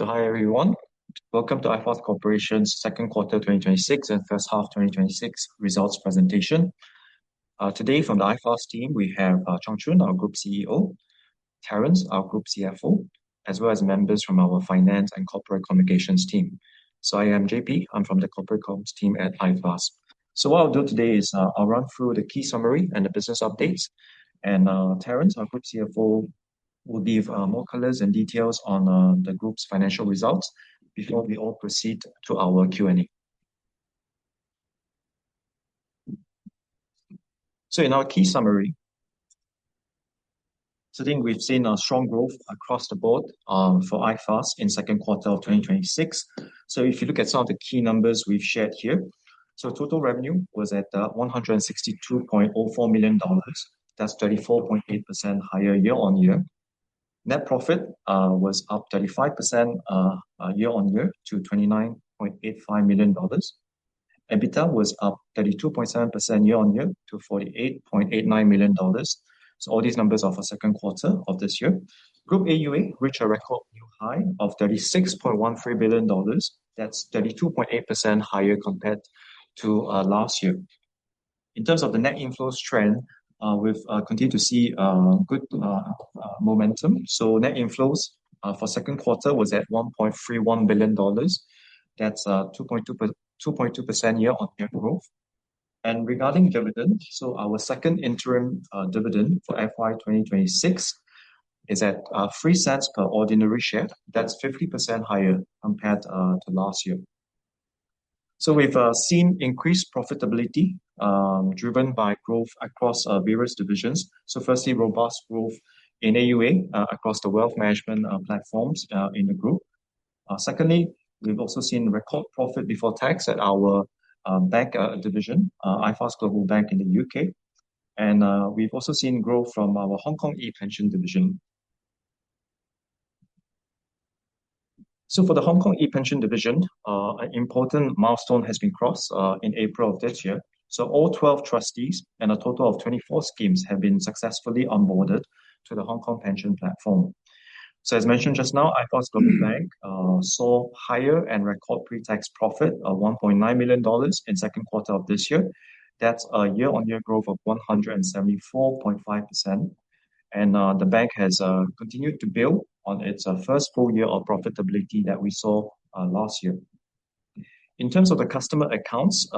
Hi, everyone. Welcome to iFAST Corporation's second quarter 2026 and first half 2026 results presentation. Today, from the iFAST team, we have Chung Chun, our Group CEO; Terence, our Group CFO; as well as members from our Finance and Corporate Communications team. So, I am JP. I am from the Corporate Comms team at iFAST. What I'll do today is, I'll run through the key summary and the business updates, and Terence, our Group CFO, will give more colors and details on the group's financial results before we all proceed to our Q&A. So, in our key summary, I think we've seen a strong growth across the board for iFAST in second quarter of 2026. If you look at some of the key numbers we've shared here, total revenue was at 162.04 million dollars. That's 34.8% higher year-on-year. Net profit was up 35% year-on-year to 29.85 million dollars. EBITDA was up 32.7% year-on-year to 48.89 million dollars. All these numbers are for second quarter of this year. Group AUA reached a record new high of 36.13 billion dollars. That's 32.8% higher compared to last year. In terms of the net inflows trend, we've continued to see good momentum. Net inflows for second quarter was at 1.31 billion dollars. That's 2.2% year-on-year growth. Regarding dividend, our second interim dividend for FY 2026 is at 0.03 per ordinary share. That's 50% higher compared to last year. We've seen increased profitability, driven by growth across various divisions. Firstly, robust growth in AUA across the wealth management platforms in the group. Secondly, we've also seen record profit before tax at our bank division, iFAST Global Bank in the U.K. We've also seen growth from our Hong Kong ePENSION division. For the Hong Kong ePENSION division, an important milestone has been crossed in April of this year. All 12 trustees and a total of 24 schemes have been successfully onboarded to the Hong Kong pension platform. As mentioned just now, iFAST Global Bank saw higher and record pretax profit of 1.9 million dollars in second quarter of this year. That's a year-on-year growth of 174.5%, and the bank has continued to build on its first full year of profitability that we saw last year. In terms of the customer accounts,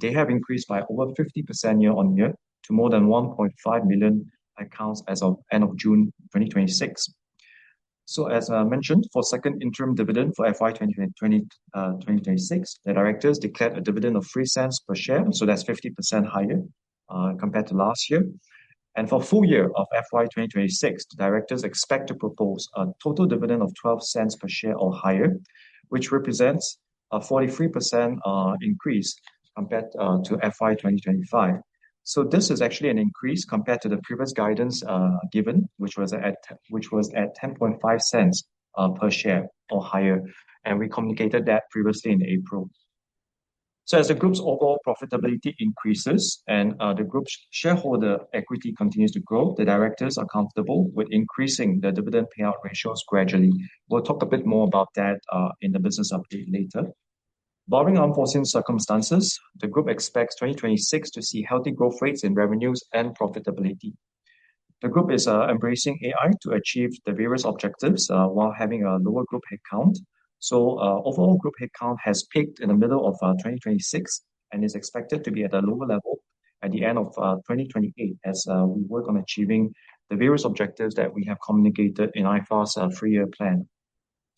they have increased by over 50% year-on-year to more than 1.5 million accounts as of end of June 2026. As mentioned, for second interim dividend for FY 2026, the directors declared a dividend of 0.03 per share. That's 50% higher compared to last year. For full year of FY 2026, the directors expect to propose a total dividend of 0.12 per share or higher, which represents a 43% increase compared to FY 2025. This is actually an increase compared to the previous guidance given, which was at 0.105 per share or higher, and we communicated that previously in April. As the group's overall profitability increases and the group's shareholder equity continues to grow, the directors are comfortable with increasing the dividend payout ratios gradually. We'll talk a bit more about that in the business update later. Barring unforeseen circumstances, the group expects 2026 to see healthy growth rates in revenues and profitability. The group is embracing AI to achieve the various objectives while having a lower group headcount. Overall group headcount has peaked in the middle of 2026 and is expected to be at a lower level at the end of 2028 as we work on achieving the various objectives that we have communicated in iFAST's three-year plan.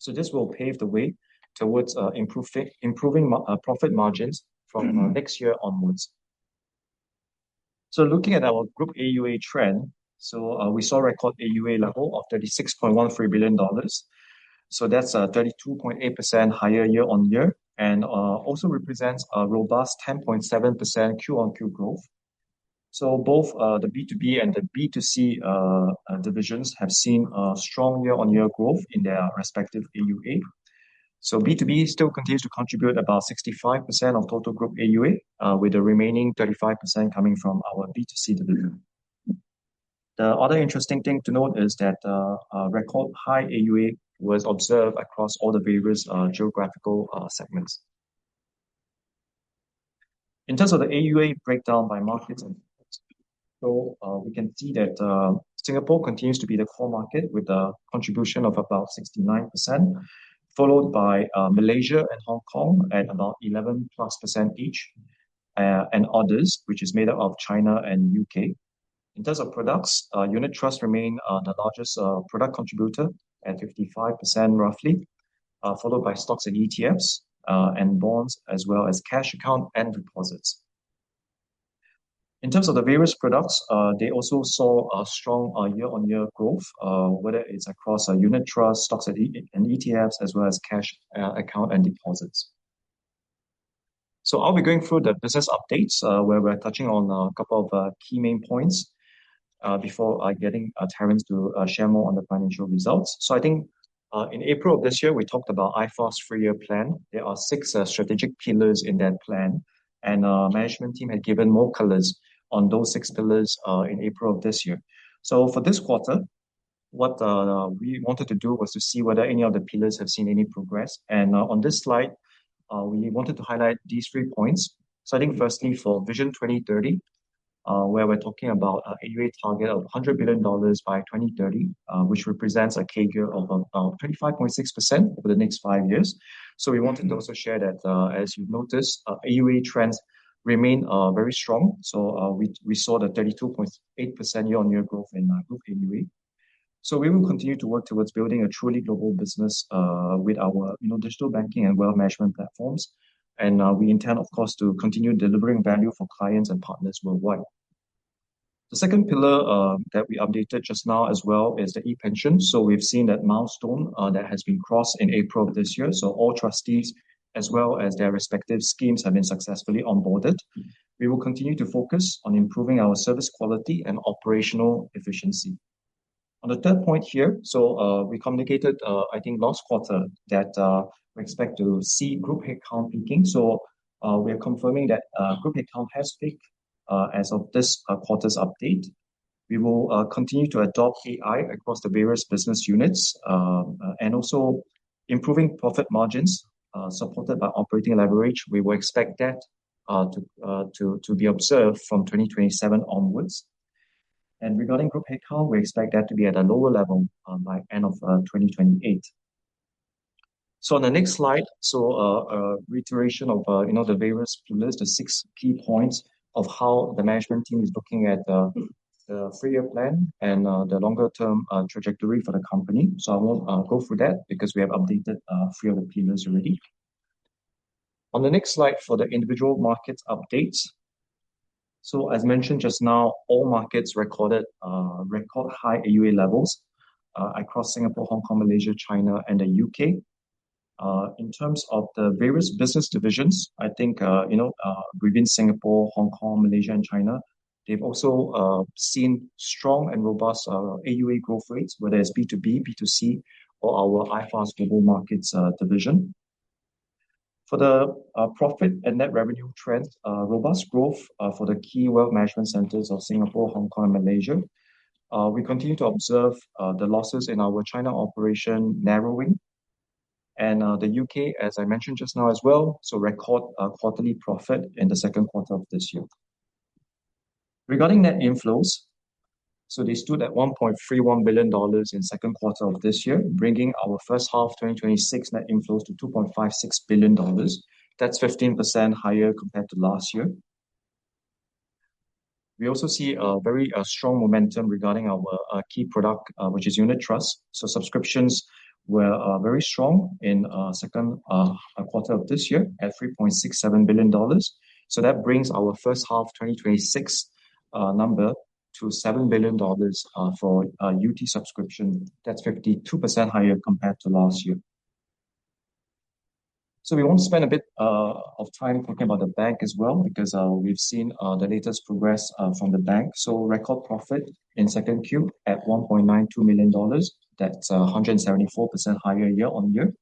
This will pave the way towards improving profit margins from next year onwards. Looking at our group AUA trend, we saw record AUA level of 36.13 billion dollars. That's a 32.8% higher year-on-year and also represents a robust 10.7% Q-on-Q growth. Both the B2B and the B2C divisions have seen a strong year-on-year growth in their respective AUA. B2B still continues to contribute about 65% of total group AUA, with the remaining 35% coming from our B2C division. The other interesting thing to note is that a record-high AUA was observed across all the various geographical segments. In terms of the AUA breakdown by market and products, we can see that Singapore continues to be the core market with a contribution of about 69%, followed by Malaysia and Hong Kong at about 11%+ each, and others, which is made up of China and U.K. In terms of products, unit trusts remain the largest product contributor at 55%, roughly, followed by stocks and ETFs, and bonds as well as cash account and deposits. In terms of the various products, they also saw a strong year-on-year growth, whether it's across our unit trusts, stocks and ETFs, as well as cash account and deposits. So, I'll be going through the business updates, where we're touching on a couple of key main points before getting Terence to share more on the financial results. I think in April of this year, we talked about iFAST's three-year plan. There are six strategic pillars in that plan, and management team had given more colors on those six pillars in April of this year. For this quarter, what we wanted to do was to see whether any of the pillars have seen any progress. On this slide, we wanted to highlight these three points. I think firstly, for Vision 2030, where we're talking about an AUA target of 100 billion dollars by 2030, which represents a CAGR of about 25.6% over the next five years, so we wanted to also share that, as you've noticed, AUA trends remain very strong. We saw that 32.8% year-on-year growth in our group AUA. We will continue to work towards building a truly global business with our digital banking and wealth management platforms. We intend, of course, to continue delivering value for clients and partners worldwide. The second pillar that we updated just now as well is the ePENSION. We've seen that milestone that has been crossed in April this year. All trustees, as well as their respective schemes, have been successfully onboarded. We will continue to focus on improving our service quality and operational efficiency. On the third point here, so we communicated, I think, last quarter that we expect to see group headcount peaking. We are confirming that group headcount has peaked as of this quarter's update. We will continue to adopt AI across the various business units, and also improving profit margins, supported by operating leverage. We will expect that to be observed from 2027 onwards. Regarding group headcount, we expect that to be at a lower level by end of 2028. On the next slide, a reiteration of the various pillars, the six key points of how the management team is looking at the three-year plan and the longer-term trajectory for the company. I won't go through that because we have updated three of the pillars already. On the next slide for the individual markets' updates, as mentioned just now, all markets recorded record-high AUA levels across Singapore, Hong Kong, Malaysia, China, and the U.K. In terms of the various business divisions, I think within Singapore, Hong Kong, Malaysia, and China, they've also seen strong and robust AUA growth rates, whether it's B2B, B2C, or our iFAST Global Markets division. For the profit and net revenue trends, robust growth for the key wealth management centers of Singapore, Hong Kong, and Malaysia. We continue to observe the losses in our China operation narrowing. The U.K., as I mentioned just now as well, so, record quarterly profit in the second quarter of this year. Regarding net inflows, they stood at 1.31 billion dollars in second quarter of this year, bringing our first half 2026 net inflows to 2.56 billion dollars. That's 15% higher compared to last year. We also see a very strong momentum regarding our key product, which is unit trust. Subscriptions were very strong in second quarter of this year at 3.67 billion dollars. That brings our first half 2026 number to 7 billion dollars for UT subscription. That's 52% higher compared to last year. We want to spend a bit of time talking about the bank as well, because we've seen the latest progress from the bank. So, record profit in second Q at 1.92 million dollars. That's 174% higher year-on-year.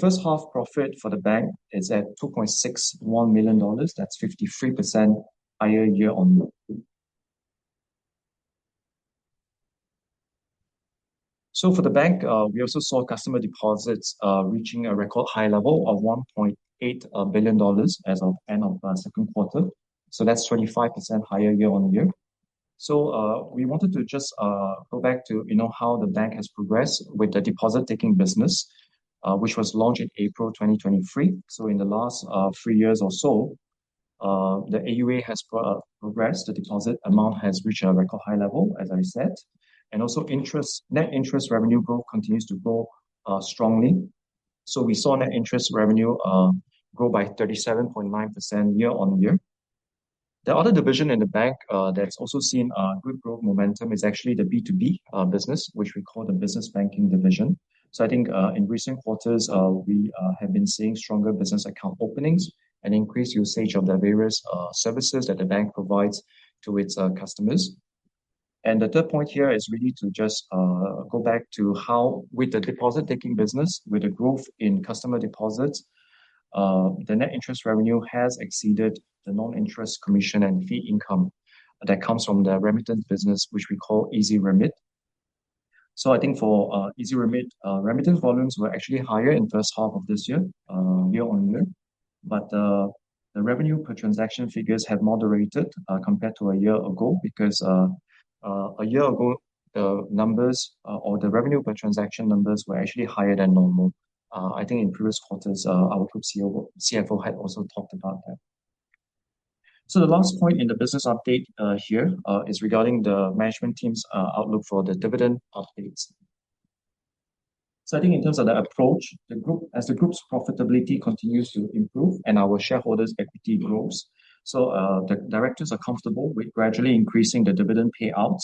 First half profit for the bank is at 2.61 million dollars. That's 53% higher year-on-year. For the bank, we also saw customer deposits reaching a record-high level of 1.8 billion dollars as of end of second quarter. That's 25% higher year-on-year. We wanted to just go back to how the bank has progressed with the deposit-taking business, which was launched in April 2023. In the last three years or so, the AUA has progressed. The deposit amount has reached a record-high level, as I said. Also, net interest revenue growth continues to grow strongly. We saw net interest revenue grow by 37.9% year-on-year. The other division in the bank that's also seen good growth momentum is actually the B2B business, which we call the business banking division. I think, in recent quarters, we have been seeing stronger business account openings and increased usage of the various services that the bank provides to its customers. The third point here is really to just go back to how, with the deposit-taking business, with the growth in customer deposits, the net interest revenue has exceeded the non-interest commission and fee income that comes from the remittance business, which we call EzRemit. I think, for EzRemit, remittance volumes were actually higher in first half of this year, year-on-year, but the revenue per transaction figures have moderated compared to a year ago, because a year ago, the numbers or the revenue per transaction numbers were actually higher than normal. I think in previous quarters, our Group CFO had also talked about that. The last point in the business update here is regarding the management team's outlook for the dividend updates. I think, in terms of the approach, as the group's profitability continues to improve and our shareholders' equity grows, the directors are comfortable with gradually increasing the dividend payouts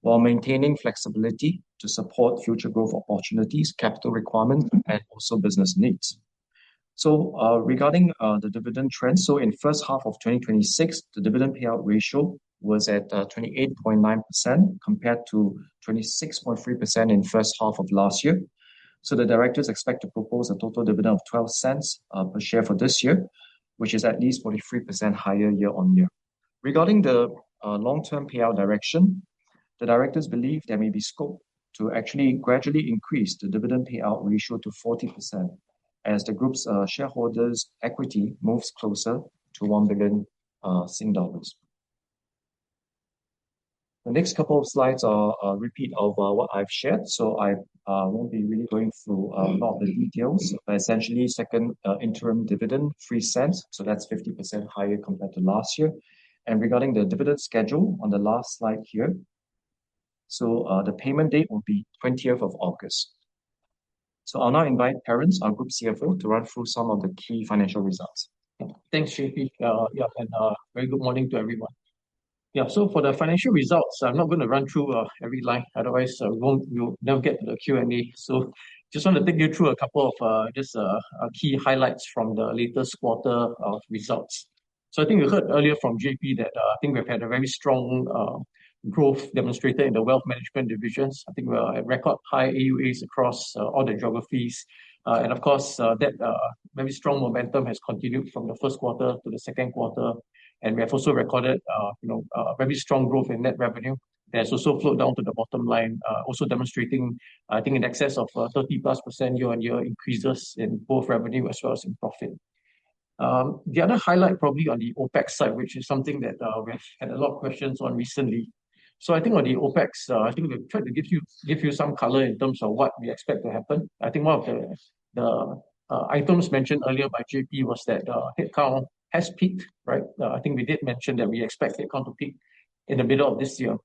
while maintaining flexibility to support future growth opportunities, capital requirements, and also, business needs. Regarding the dividend trend, so in first half of 2026, the dividend payout ratio was at 28.9% compared to 26.3% in first half of last year. The directors expect to propose a total dividend of 0.12 per share for this year, which is at least 43% higher year-on-year. Regarding the long-term payout direction, the directors believe there may be scope to actually gradually increase the dividend payout ratio to 40% as the group's shareholders' equity moves closer to 1 billion Sing dollars. The next couple of slides are a repeat of what I've shared, so I won't be really going through a lot of the details. Essentially, second interim dividend, 0.03, so that's 50% higher compared to last year. Regarding the dividend schedule, on the last slide here, the payment date will be 20th of August. I'll now invite Terence, our Group CFO, to run through some of the key financial results. Thanks, JP, yeah, and a very good morning to everyone. For the financial results, I'm not going to run through every line, otherwise, we'll never get to the Q&A. Just want to take you through a couple of just key highlights from the latest quarter of results. I think you heard earlier from JP that I think we've had a very strong growth demonstrated in the wealth management divisions. I think we're at record-high AUAs across all the geographies. Of course, that very strong momentum has continued from the first quarter to the second quarter, and we have also recorded very strong growth in net revenue that has also flowed down to the bottom line. Also demonstrating, I think, in excess of 30%+ year-on-year increases in both revenue as well as in profit. The other highlight probably on the OpEx side, which is something that we've had a lot of questions on recently. I think on the OpEx, I think we've tried to give you some color in terms of what we expect to happen. I think one of the items mentioned earlier by JP was that headcount has peaked, right? I think we did mention that we expect headcount to peak in the middle of this year.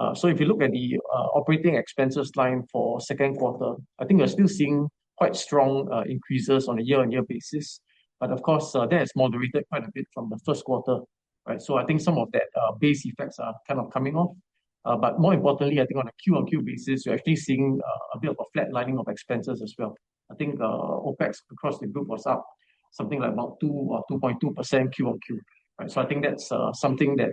If you look at the operating expenses line for second quarter, I think we're still seeing quite strong increases on a year-on-year basis. But of course, that has moderated quite a bit from the first quarter, right? I think some of that base effects are kind of coming off. More importantly, I think on a Q-on-Q basis, we're actually seeing a bit of a flat lining of expenses as well. I think OpEx across the group was up something like about 2% or 2.2% QoQ. I think that's something that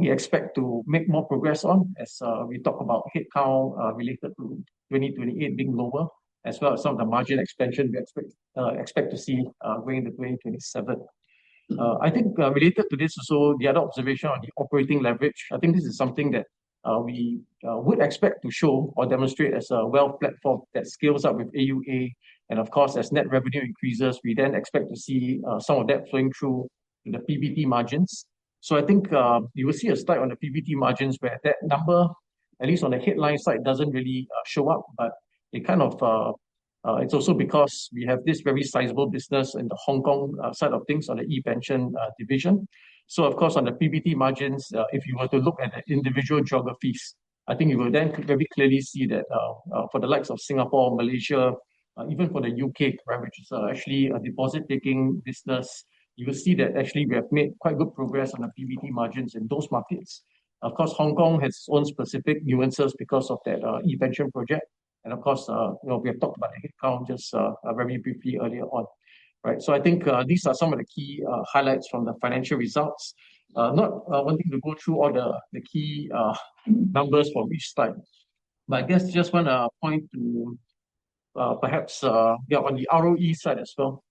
we expect to make more progress on as we talk about headcount related to 2028 being lower, as well as some of the margin expansion we expect to see going into 2027. I think related to this also, the other observation on the operating leverage, I think this is something that we would expect to show or demonstrate as a wealth platform that scales up with AUA. Of course, as net revenue increases, we then expect to see some of that flowing through in the PBT margins. I think you will see a spike on the PBT margins, where that number, at least on the headline side, doesn't really show up, but it kind of, but it's also because we have this very sizable business in the Hong Kong side of things on the ePENSION division. Of course, on the PBT margins, if you were to look at the individual geographies, I think you will then very clearly see that for the likes of Singapore, Malaysia, even for the U.K., right, which is actually a deposit-taking business, you will see that actually, we have made quite good progress on the PBT margins in those markets. Of course, Hong Kong has its own specific nuances because of that ePENSION project, and of course, we have talked about the headcount just very briefly earlier on. I think these are some of the key highlights from the financial results. Not wanting to go through all the key numbers for each time, but I guess just want to point to, perhaps, on the ROE side as well.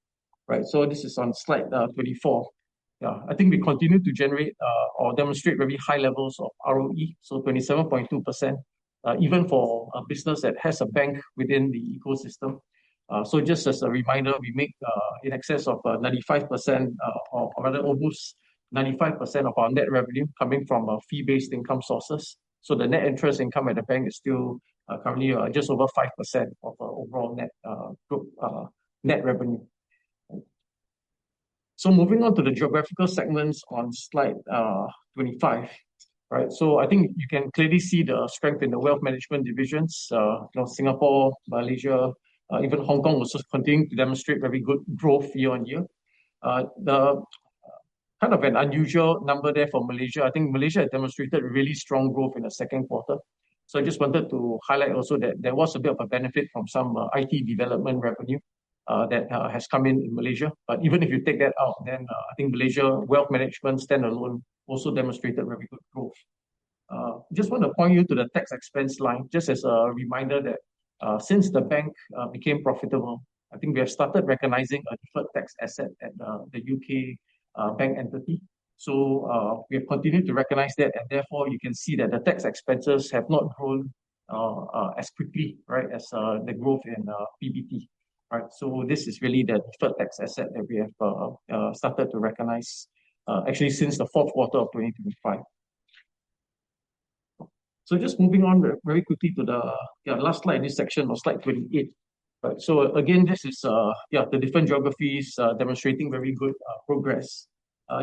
This is on slide 24. I think we continue to generate or demonstrate very high levels of ROE, 27.2%, even for a business that has a bank within the ecosystem. Just as a reminder, we make in excess of 95%, or rather almost 95% of our net revenue coming from our fee-based income sources. So, the net interest income at the bank is still currently just over 5% of our overall net group net revenue. Moving on to the geographical segments on slide 25. I think you can clearly see the strength in the wealth management divisions, Singapore, Malaysia, even Hong Kong was continuing to demonstrate very good growth year-on-year. The kind of an unusual number there for Malaysia, I think Malaysia demonstrated really strong growth in the second quarter. I just wanted to highlight also that there was a bit of a benefit from some IT development revenue that has come in in Malaysia. But even if you take that out, then I think Malaysia wealth management standalone also demonstrated very good growth. Just want to point you to the tax expense line, just as a reminder that since the bank became profitable, I think we have started recognizing a deferred tax asset at the U.K. bank entity. We have continued to recognize that, and therefore, you can see that the tax expenses have not grown as quickly as the growth in PBT. This is really the deferred tax asset that we have started to recognize, actually, since the fourth quarter of 2025. Just moving on very quickly to the, yeah, the last slide in this section was slide 28. Again, this is the different geographies demonstrating very good progress.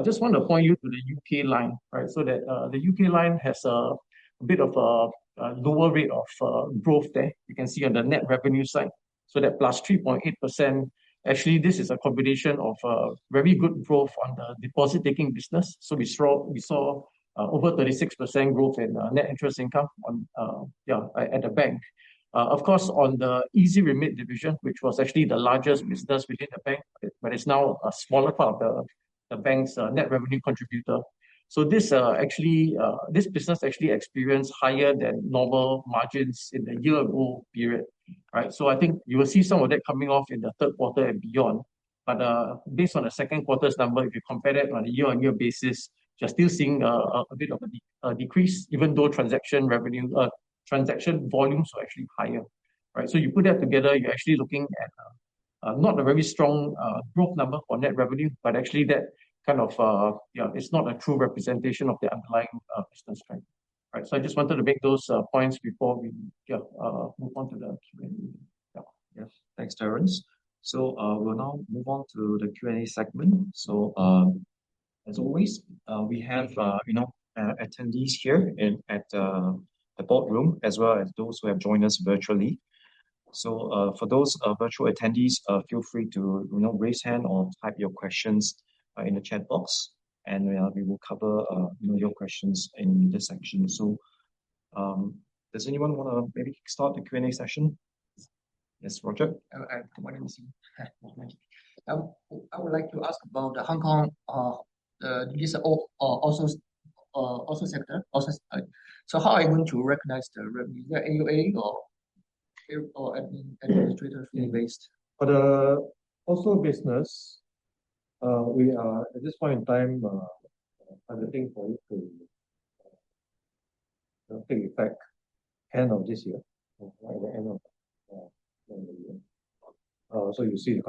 Just want to point you to the U.K. line, that the U.K. line has a bit of a lower rate of growth there. You can see on the net revenue side, that +3.8%. Actually, this is a combination of a very good growth on the deposit-taking business. We saw over 36% growth in net interest income at the bank. Of course, on the EzRemit division, which was actually the largest business within the bank, but it's now a smaller part of the bank's net revenue contributor, so this business actually experienced higher than normal margins in the year-ago period. I think you will see some of that coming off in the third quarter and beyond. But based on the second quarter's number, if you compare that on a year-on-year basis, you're still seeing a bit of a decrease, even though transaction revenue, transaction volumes are actually higher. You put that together, you're actually looking at not a very strong growth number for net revenue, but actually, it's not a true representation of the underlying business strength. I just wanted to make those points before we move on to the Q&A. Yes. Thanks, Terence. We'll now move on to the Q&A segment. As always, we have attendees here at the boardroom, as well as those who have joined us virtually. For those virtual attendees, feel free to raise hand or type your questions in the chat box, and we will cover your questions in this section. Does anyone want to maybe kick start the Q&A session? Yes, [Roger]? Good morning. Good morning. I would like to ask about Hong Kong, these are ORSO sector, right? So, how are you going to recognize the revenue? The AUA or administrator fee-based? For the ORSO business, we are, at this point in time, targeting for it to take effect end of this year. By the end of the year. You'll see the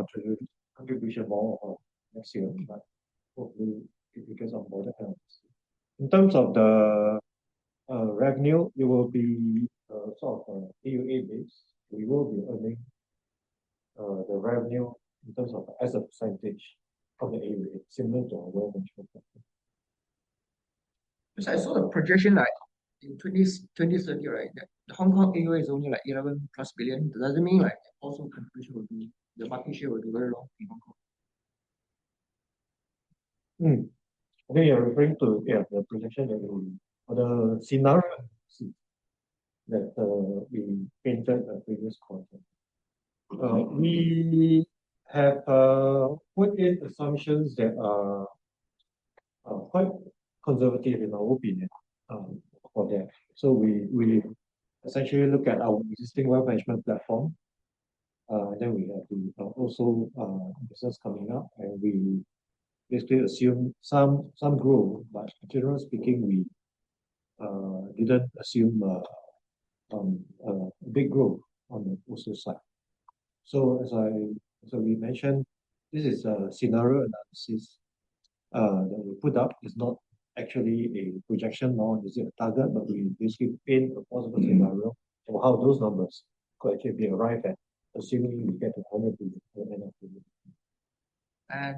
contribution more next year, but hopefully, it gets on board then. In terms of the revenue, it will be sort of AUA-based. We will be earning the revenue in terms of as a percentage of the AUA. It's similar to our wealth management platform. I saw the projection like in 2030, right? The Hong Kong AUA is only like 11 billion+. Does that mean, like, ORSO contribution will be, the market share will be very low in Hong Kong? I think you're referring to the projection or the scenario that we painted the previous quarter. We have put in assumptions that are quite conservative in our opinion for that. We essentially look at our existing wealth management platform, then we have the ORSO business coming up, and we basically assume some growth. But generally speaking, we didn't assume a big growth on the ORSO side. As we mentioned, this is a scenario analysis that we put up. It's not actually a projection, nor is it a target, but we basically paint a possible scenario for how those numbers could actually be arrived at, assuming we get the permit by the end of the year.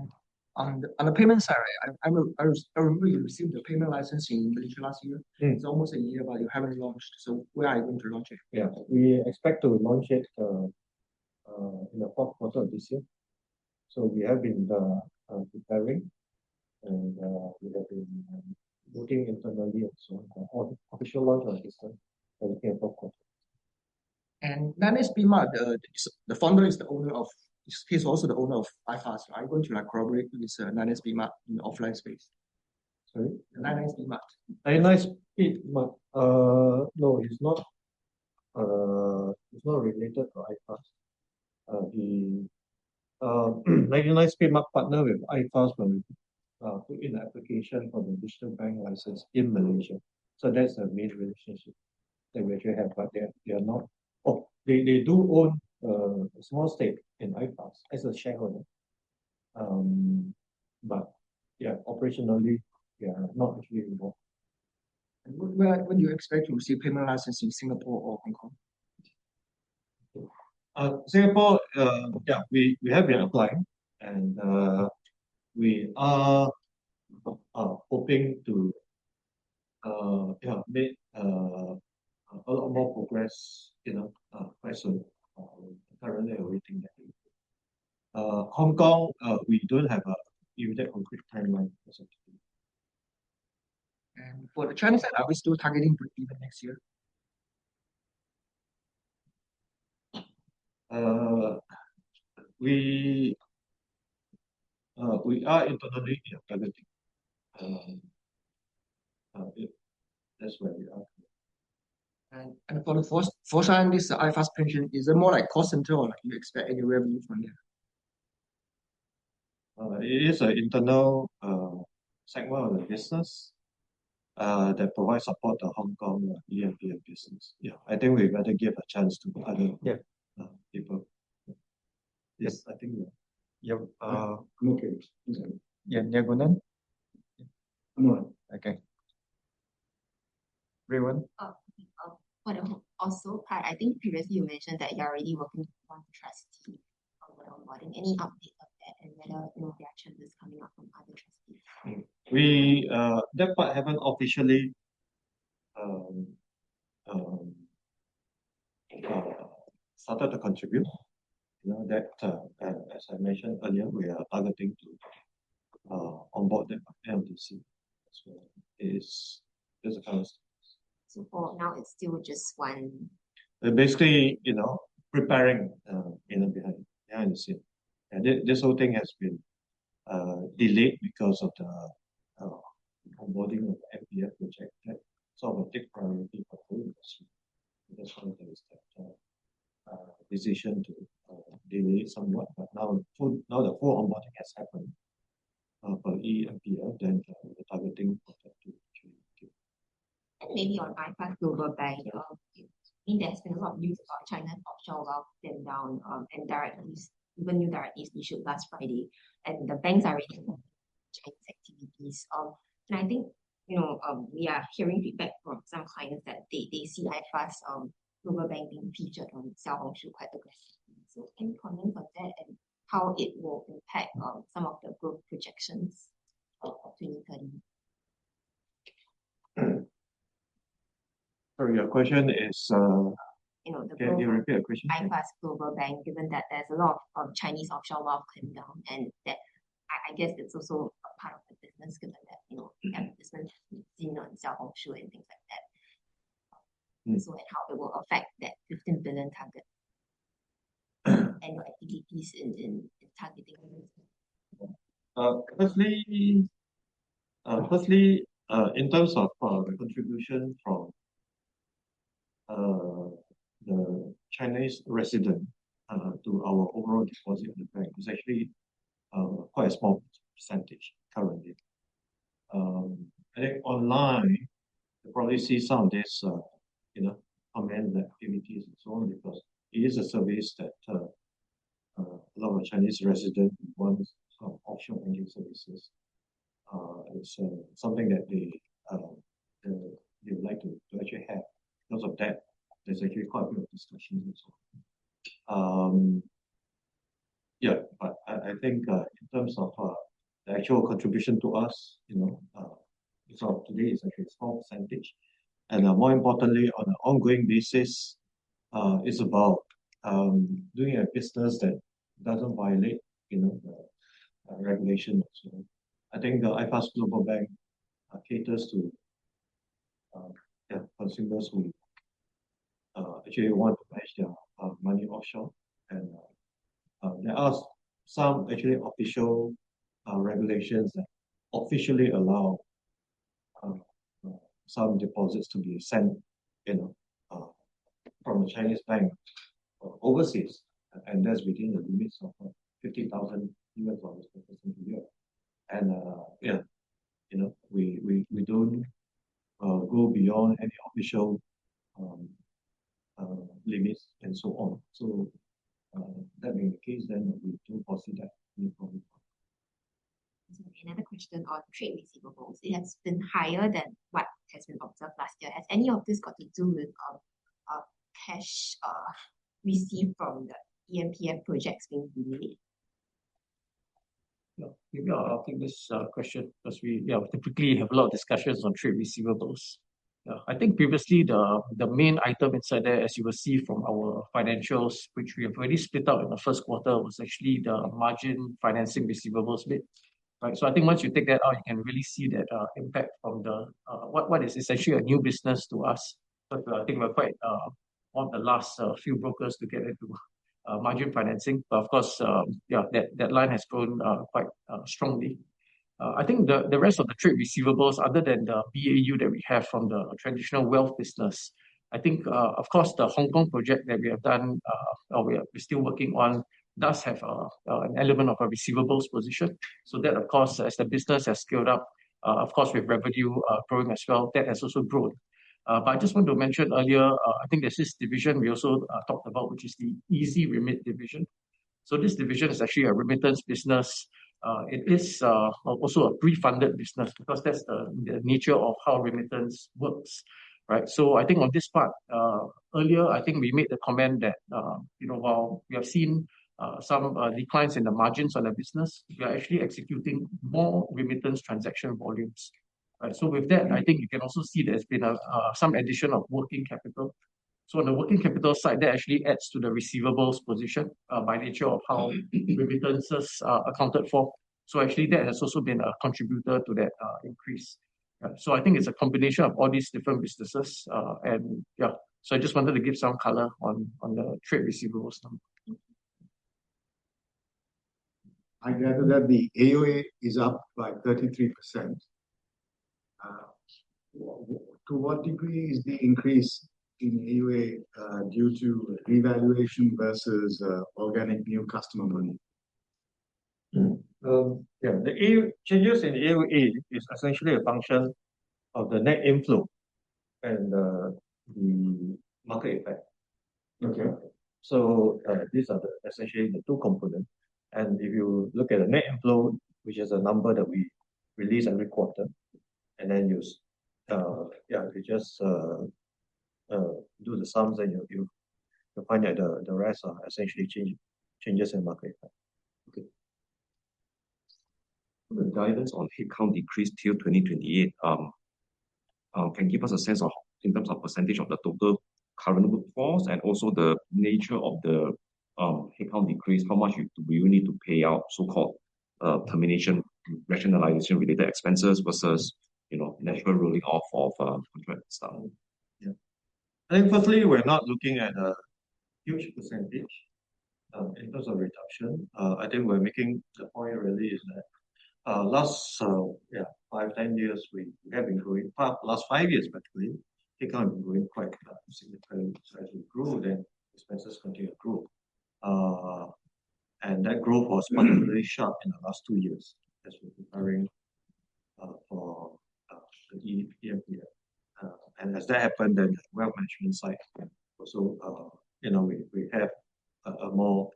On the payment side, I remember you received the payment license in Malaysia last year. Yeah. It's almost a year, but you haven't launched. When are you going to launch it? Yeah. We expect to launch it in the fourth quarter of this year. We have been preparing and we have been working internally and so on. Official launch will be soon. And 99 Speed Mart, the founder is the owner of, he's also the owner of iFAST. Are you going to, like, collaborate with 99 Speed Mart in the offline space? Sorry? 99 Speed Mart. 99 Speed Mart. No, it's not related to iFAST. 99 Speed Mart partnered with iFAST when we put in application for the digital bank license in Malaysia. That's a major relationship that we actually have, but we have not, oh, they do own a small stake in iFAST as a shareholder. But yeah, operationally, they are not actually involved. When do you expect to receive payment license in Singapore or Hong Kong? Singapore, we have been applying. We are hoping to make a lot more progress quite soon. Currently, we're waiting. Hong Kong, we don't have even a concrete timeline as of today. For the Chinese side, are we still targeting to be next year? We are, internally, targeting. That's where we are. For the fourth time is the iFAST pension, is it more like cost center or you expect any revenue from there? It is an internal segment of the business that provides support to Hong Kong eMPF business. Yeah. I think we better give a chance to other. Yeah. People. Yes, I think, yeah. Okay. Yeah, go on then. Okay. [Rian]? I think, previously, you mentioned that you're already working with one trustee on onboarding. Any update of that and whether reaction is coming up from other trustees? That part haven't officially started to contribute. As I mentioned earlier, we are targeting to onboard them in. So, for now it's still just one? They're basically preparing behind the scene. This whole thing has been delayed because of the onboarding of eMPF project. That's our big priority for the whole industry. That's why there is that decision to delay somewhat, but now, the full onboarding has happened for eMPF, then the targeting for. Maybe on iFAST Global Bank, there's been a lot of news about China's offshore wealth being down, and issue last Friday, and the banks are already Chinese activities. I think we are hearing feedback from some clients that they see iFAST Global Bank being featured on Xiaohongshu platform. Any comment on that and how it will impact on some of the growth projections for 2030? Sorry, your question is? The growth. Can you repeat the question? iFAST Global Bank, given that there's a lot of Chinese offshore wealth being down, and that, I guess, it's also a part of the business given that investment seen on Xiaohongshu and things like that. So, how it will affect that SGD 15 billion target and your activities in targeting all this? Firstly, in terms of the contribution from the Chinese resident to our overall deposit in the bank, it's actually quite a small percentage currently. I think, online, you probably see some of these amendment activities and so on because it is a service that a lot of Chinese resident wants offshore banking services. It's something that they would like to actually have. Because of that, there's actually quite a bit of discussions and so on. I think, in terms of the actual contribution to us, today, it's actually a small percentage. More importantly, on an ongoing basis, it's about doing a business that doesn't violate the regulations. I think the iFAST Global Bank caters to consumers who actually want to place their money offshore. There are some, actually, official regulations that officially allow some deposits to be sent from a Chinese bank overseas, and that's within the limits of $50,000 per person per year. We don't go beyond any official limits and so on. That being the case, we don't foresee that being a problem. Another question on trade receivables. It has been higher than what has been observed last year. Has any of this got to do with cash received from the eMPF projects being delayed? No. Maybe, I'll take this question because we typically have a lot of discussions on trade receivables. I think, previously, the main item inside there, as you will see from our financials, which we have already split out in the first quarter, was actually the margin financing receivables bit. I think once you take that out, you can really see that impact from what is essentially a new business to us. I think we're quite one of the last few brokers to get into margin financing. Of course, that line has grown quite strongly. I think the rest of the trade receivables, other than the BAU that we have from the traditional wealth business, I think, of course, the Hong Kong project that we have done, or we're still working on, does have an element of a receivables position. That, of course, as the business has scaled up, of course with revenue growing as well, that has also grown. But I just want to mention earlier, I think there's this division we also talked about, which is the EzRemit division. This division is actually a remittance business. It is a pre-funded business because that's the nature of how remittance works, right? I think on this part, earlier, I think we made the comment that, while we have seen some declines in the margins on the business, we are actually executing more remittance transaction volumes. With that, I think you can also see there's been some addition of working capital. On the working capital side, that actually adds to the receivables position, by nature of how remittances are accounted for. Actually, that has been a contributor to that increase. I think it's a combination of all these different businesses. Yeah, I just wanted to give some color on the trade receivables number. I gather that the AUA is up by 33%. To what degree is the increase in AUA due to revaluation versus organic new customer money? Yeah. The changes in AUA is essentially a function of the net inflow and the market effect. Okay. These are, essentially, the two components. If you look at the net inflow, which is a number that we release every quarter, if you just do the sums, you'll find that the rest are essentially changes in market effect. Okay. The guidance on headcount decrease till 2028, can give us a sense of, in terms of percentage of the total current workforce and also the nature of the headcount decrease, how much do you need to pay out so-called termination, rationalization-related expenses versus natural rolling off of? Yeah. I think, firstly, we're not looking at a huge percentage in terms of reduction. I think we're making the point already, is that last five, 10 years, we have been growing. Last five years, particularly, headcount growing quite significantly, so as we grow, then, expenses continue to grow. That growth was really sharp in the last two years as we've been hiring for the eMPF. As that happened, then, wealth management side, again, also, we have a more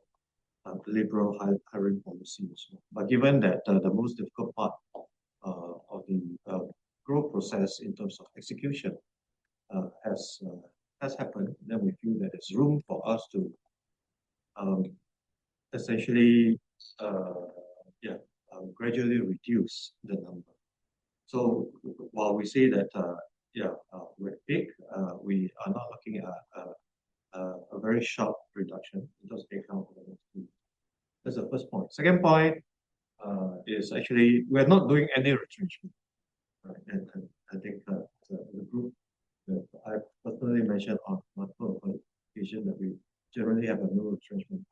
liberal hiring policy as well. But given that the most difficult part of the growth process in terms of execution has happened, then we feel that there's room for us to essentially, yeah, gradually reduce the number. While we say that we're big, we are not looking at a very sharp reduction. It does take account of that too. That's the first point. Second point is, actually, we're not doing any retrenchment. I think the group that I personally mentioned on my presentation that we generally have a no retrenchment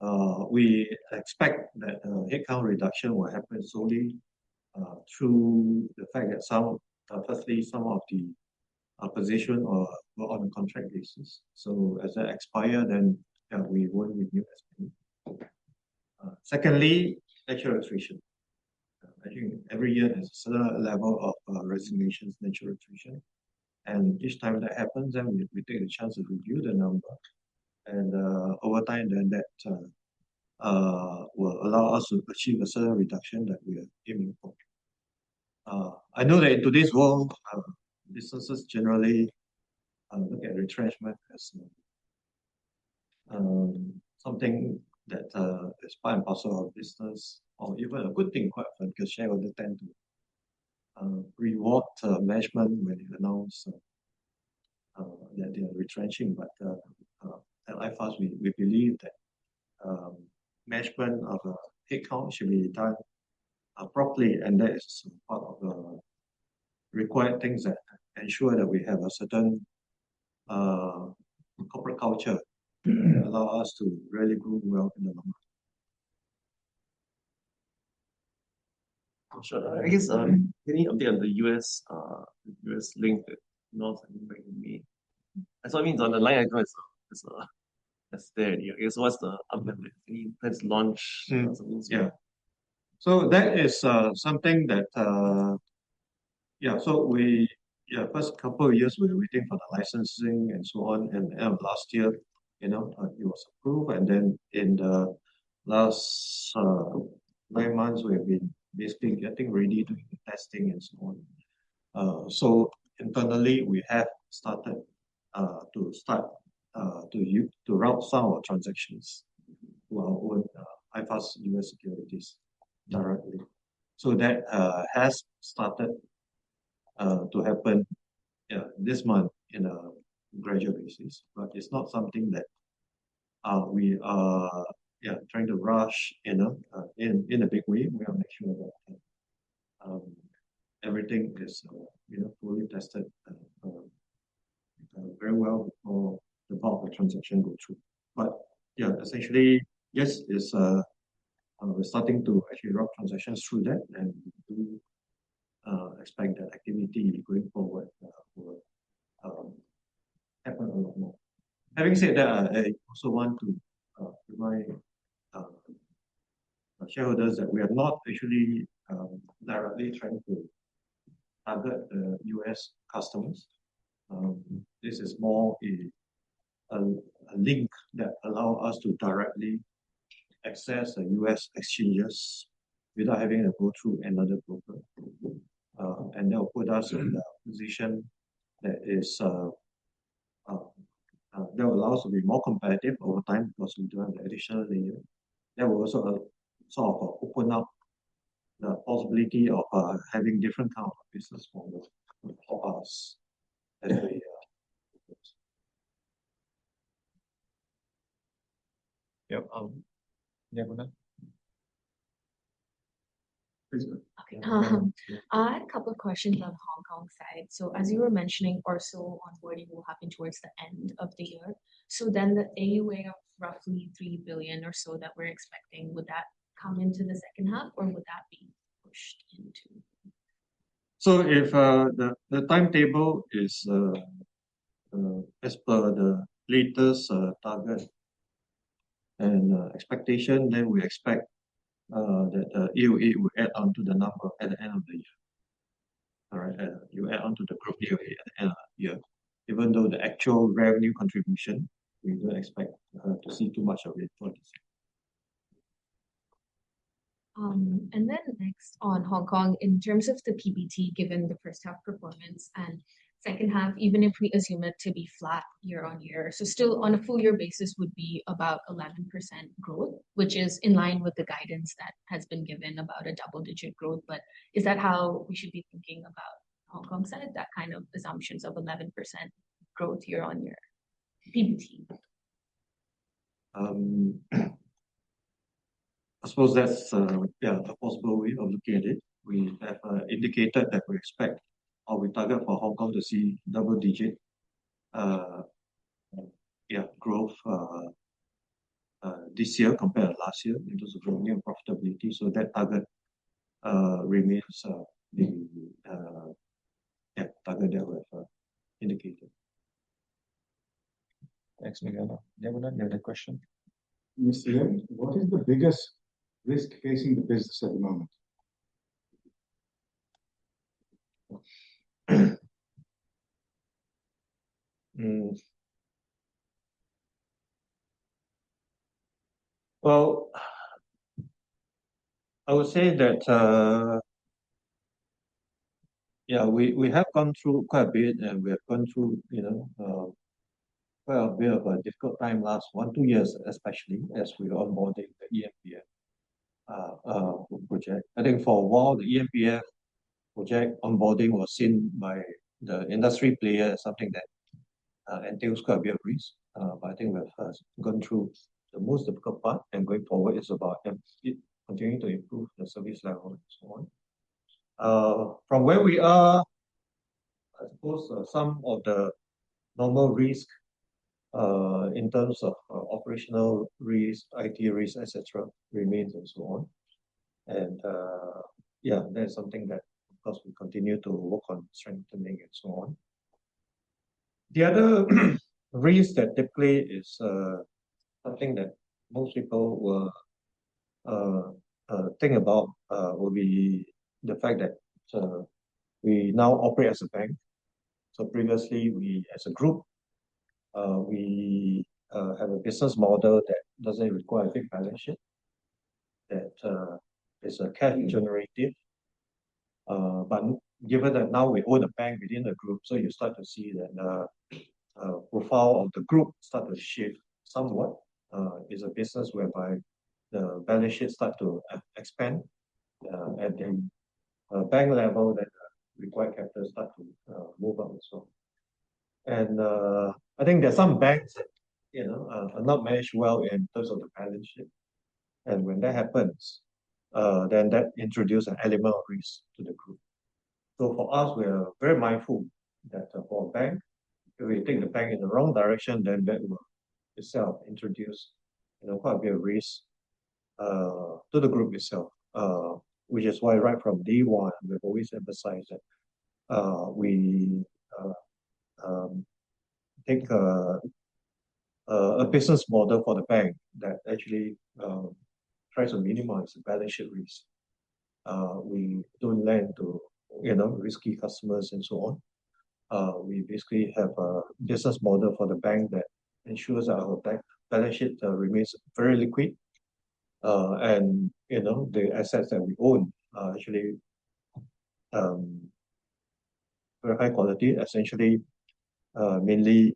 policy. We expect that headcount reduction will happen solely through the fact that, firstly, some of the positions are on a contract basis. As that expire, we won't renew as many. Secondly, natural attrition. I think every year has a certain level of resignations, natural attrition. Each time that happens, we take the chance to review the number, and over time, that will allow us to achieve a certain reduction that we are aiming for. I know that in today's world, businesses generally look at retrenchment as something that is part and parcel of business or even a good thing quite often, because shareholders tend to reward management when you announce that they are retrenching. But at iFAST, we believe that management of headcount should be done properly, and that is part of the required things that ensure that we have a certain corporate culture that allow us to really grow wealth in the long run. I'm sure. I guess any update on the U.S. link that [North] mentioned to me? That's what it means on the line item. It's there. I guess what's the update? Let's launch. Yeah. So, that is something that, yeah, so first couple of years we were waiting for the licensing and so on, and last year, it was approved, and then in the last nine months, we've been basically getting ready, doing the testing and so on. Internally, we have started to route some of our transactions with iFAST Securities U.S. directly. That has started to happen this month in a gradual basis. But it's not something that we are trying to rush in a big way. We want to make sure that everything is fully tested very well before the bulk of the transaction go through. But essentially, yes, we're starting to actually route transactions through that, and we do expect that activity going forward will happen a lot more. Having said that, I also want to remind shareholders that we are not actually directly trying to target U.S. customers. This is more a link that allow us to directly access the U.S. exchanges without having to go through another broker. That will also position, that is, that will also be more competitive over time. Additionally, that will also sort of open up the possibility of having different kind of business models for us as we go. Yep. [Megara]? Okay. I had a couple of questions on Hong Kong side. As you were mentioning, ORSO onboarding will happen towards the end of the year, so then, the AUA of roughly 3 billion or so that we're expecting, would that come into the second half, or would that be pushed into? If the timetable is as per the latest target and expectation, then we expect that the AUA will add on to the number at the end of the year. All right. You add onto the group AUA end of the year. Even though the actual revenue contribution, we don't expect to see too much of it for this year. Next on Hong Kong, in terms of the PBT, given the first half performance and second half, even if we assume it to be flat year-on-year, still, on a full-year basis would be about 11% growth, which is in line with the guidance that has been given about a double-digit growth. Is that how we should be thinking about Hong Kong side? That kind of assumptions of 11% growth year-on-year, PBT? I suppose that's a possible way of looking at it. We have indicated that we expect or we target for Hong Kong to see double-digit growth this year compared to last year in terms of revenue and profitability. That target remains the target that we have indicated. Thanks, [Megara]. [Devanda], you had a question? Mr. Lim, what is the biggest risk facing the business at the moment? Well, I would say that we have gone through quite a bit and we have gone through a difficult time last one, two years, especially, as we onboarding the eMPF project. I think for a while, the eMPF project onboarding was seen by the industry player as something that, I think, was quite a bit of risk. I think that has gone through the most difficult part, and going forward, it's about continuing to improve the service level and so on. From where we are, I suppose some of the normal risk, in terms of operational risk, IT risk, et cetera, remains and so on. Yeah, that's something that, of course, we continue to work on strengthening and so on. The other risk that they play is something that most people will think about, will be the fact that we now operate as a bank. Previously, we as a group, we have a business model that doesn't require big balance sheet, that is cash generative. But given that now, we own a bank within the group, you start to see that the profile of the group starts to shift somewhat, is a business whereby the balance sheets start to expand. Bank level that requires capital start to move up and so on. I think there are some banks that are not managed well in terms of the balance sheet. When that happens, that introduce an element of risk to the group. For us, we are very mindful that for a bank, if we take the bank in the wrong direction, then that will itself introduce quite a bit of risk to the group itself. Which is why right from day one, we've always emphasized that we take a business model for the bank that actually tries to minimize the balance sheet risk. We don't lend to risky customers and so on. We basically have a business model for the bank that ensures our bank balance sheet remains very liquid and the assets that we own are actually very high quality, essentially, mainly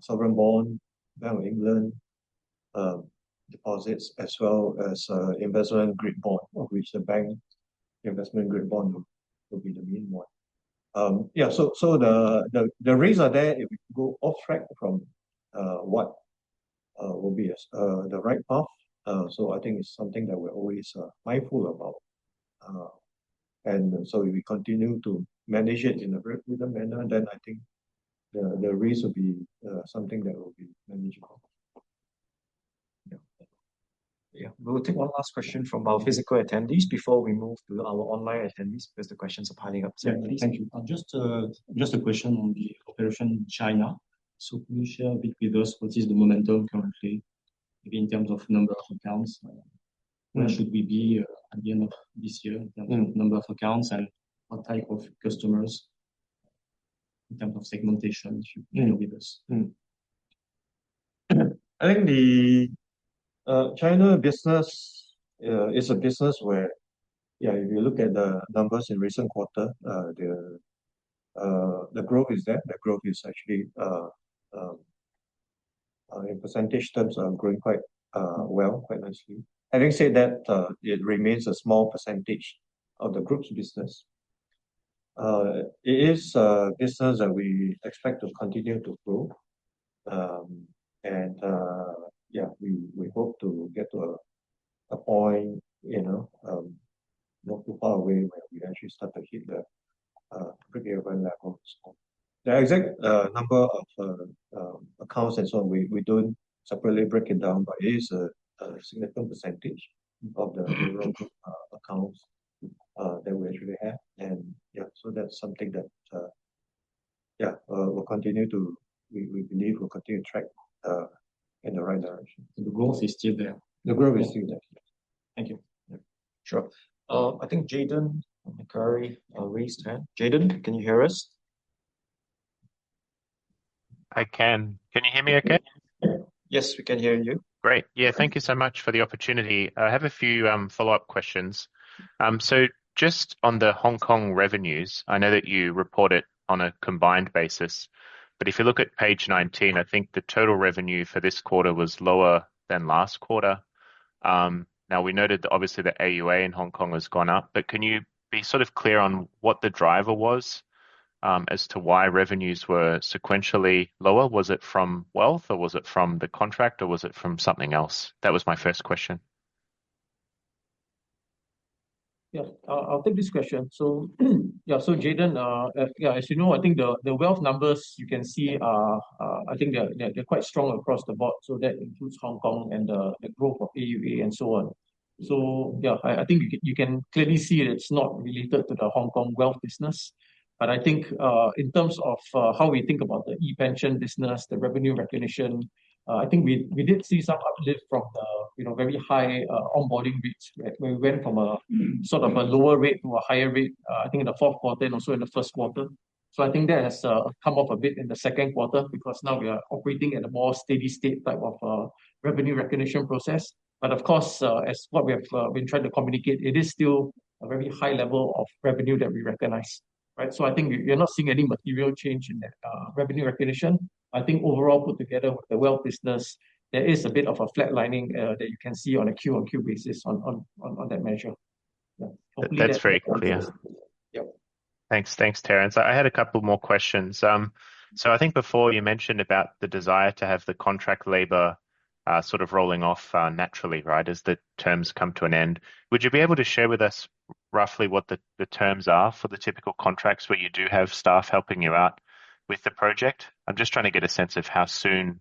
sovereign bond, Bank of England deposits, as well as investment grade bond, of which the bank investment grade bond will be the main one. Yeah, so, the risks are there if we go off track from what will be the right path. I think it's something that we're always mindful about. If we continue to manage it in a very prudent manner, then I think the risk will be something that will be manageable. Yeah. We'll take one last question from our physical attendees before we move to our online attendees, because the questions are piling up. Thank you. Just a question on the operation in China. Can you share a bit with us what is the momentum currently, maybe in terms of number of accounts? Where should we be at the end of this year in terms of number of accounts and what type of customers in terms of segmentation? Share with us. I think the China business is a business where if you look at the numbers in recent quarter, the growth is there. The growth is actually, in percentage terms, growing quite well, quite nicely. Having said that, it remains a small percentage of the group's business. It is a business that we expect to continue to grow. We hope to get to a point not too far away where we actually start to hit the pretty even level and so on. The exact number of accounts and so on, we don't separately break it down, but it is a significant percentage of the overall group accounts that we actually have. That's something that we believe will continue to track in the right direction. The growth is still there? The growth is still there. Thank you. Sure. I think Jayden from Macquarie raised hand. Jayden, can you hear us? I can. Can you hear me okay? Yes, we can hear you. Great. Yeah, thank you so much for the opportunity. I have a few follow-up questions. Just on the Hong Kong revenues, I know that you report it on a combined basis, but if you look at page 19, I think the total revenue for this quarter was lower than last quarter. We noted that, obviously, the AUA in Hong Kong has gone up, but can you be sort of clear on what the driver was as to why revenues were sequentially lower? Was it from wealth or was it from the contract or was it from something else? That was my first question. Yeah. I'll take this question. Jayden, as you know, I think the wealth numbers you can see are, I think they're quite strong across the board. That includes Hong Kong and the growth of AUA and so on. Yeah, I think you can clearly see it's not related to the Hong Kong wealth business. I think, in terms of how we think about the ePENSION business, the revenue recognition, I think we did see some uplift from the very high onboarding rates, right? We went from a sort of a lower rate to a higher rate, I think in the fourth quarter and also in the first quarter. I think that has come off a bit in the second quarter because now, we are operating at a more steady state type of revenue recognition process. But of course, as what we have been trying to communicate, it is still a very high level of revenue that we recognize, right? I think you're not seeing any material change in that revenue recognition. I think overall, put together with the wealth business, there is a bit of a flatlining that you can see on a Q-on-Q basis on that measure. Yeah. That's very clear. Hope that answers your question. Yep. Thanks, Terence. I had a couple more questions. I think, before, you mentioned about the desire to have the contract labor sort of rolling off naturally, right, as the terms come to an end. Would you be able to share with us roughly what the terms are for the typical contracts where you do have staff helping you out with the project? I'm just trying to get a sense of how soon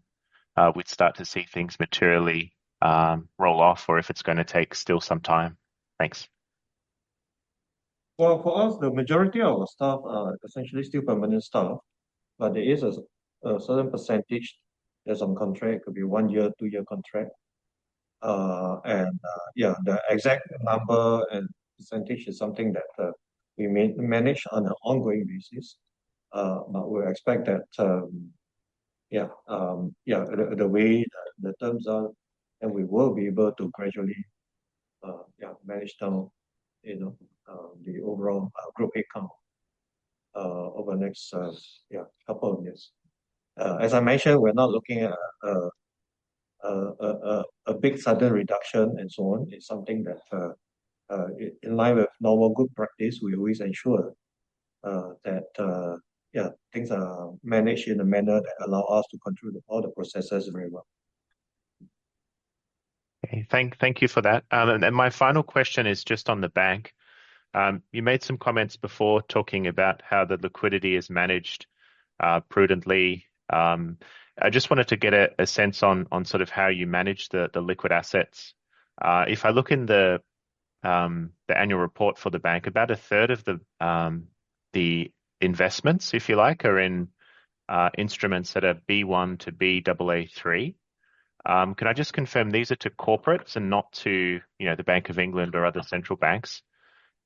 we'd start to see things materially roll off or if it's going to take still some time. Thanks. Well, for us, the majority of our staff are essentially still permanent staff, but there is a certain percentage that's on contract. It could be one-year, two-year contract. Yeah, the exact number and percentage is something that we manage on an ongoing basis. But we expect that the way the terms are, and we will be able to gradually manage down the overall group headcount over the next couple of years. As I mentioned, we're not looking at a big sudden reduction and so on. It's something that, in line with normal good practice, we always ensure that things are managed in a manner that allow us to control all the processes very well. Okay. Thank you for that. My final question is just on the bank. You made some comments before talking about how the liquidity is managed prudently. I just wanted to get a sense on sort of how you manage the liquid assets. If I look in the annual report for the bank, about 1/3 of the investments, if you like, are in instruments that are Baa1 to Baa3. Can I just confirm these are to corporates and not to the Bank of England or other central banks?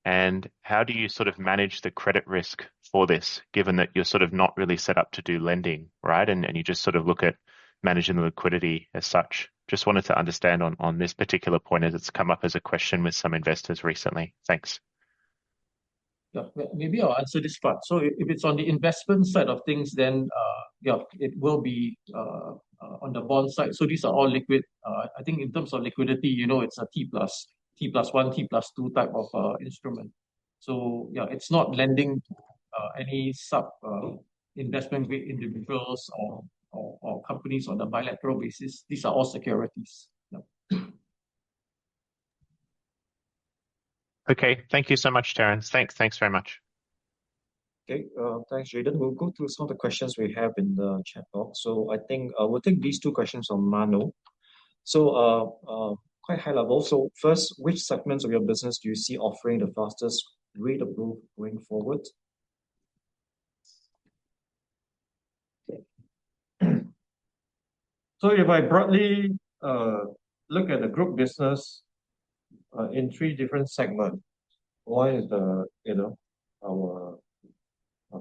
And how do you sort of manage the credit risk for this, given that you're sort of not really set up to do lending, right, and you just look at managing the liquidity as such? Just wanted to understand on this particular point as it's come up as a question with some investors recently. Thanks. Yeah. Maybe I'll answer this part. If it's on the investment side of things, then yeah, it will be on the bond side. These are all liquid. I think in terms of liquidity, it's a T+1, T+2 type of instrument. Yeah, it's not lending any sub investment with individuals or companies on a bilateral basis. These are all securities. Yeah. Okay. Thank you so much, Terence. Thanks very much. Okay. Thanks, Jayden. We'll go through some of the questions we have in the chat box. I think we'll take these two questions from [Mano]. So, quite high level. First, which segments of your business do you see offering the fastest rate of growth going forward? Okay. If I broadly look at the group business in three different segments, one is our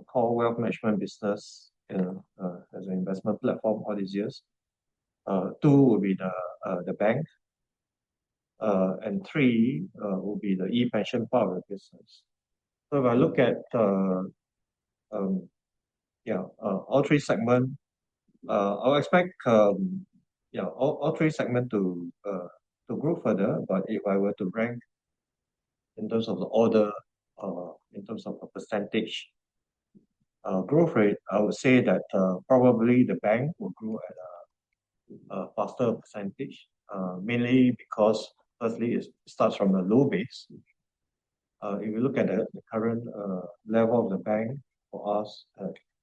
core wealth management business as an investment platform all these years; two would be the bank; and three will be the ePENSION product business. If I look at all three segments, I'll expect all three segments to grow further, but if I were to rank in terms of the order or in terms of a percentage growth rate, I would say that probably, the bank will grow at a faster percentage, mainly because firstly, it starts from a low base. If you look at the current level of the bank for us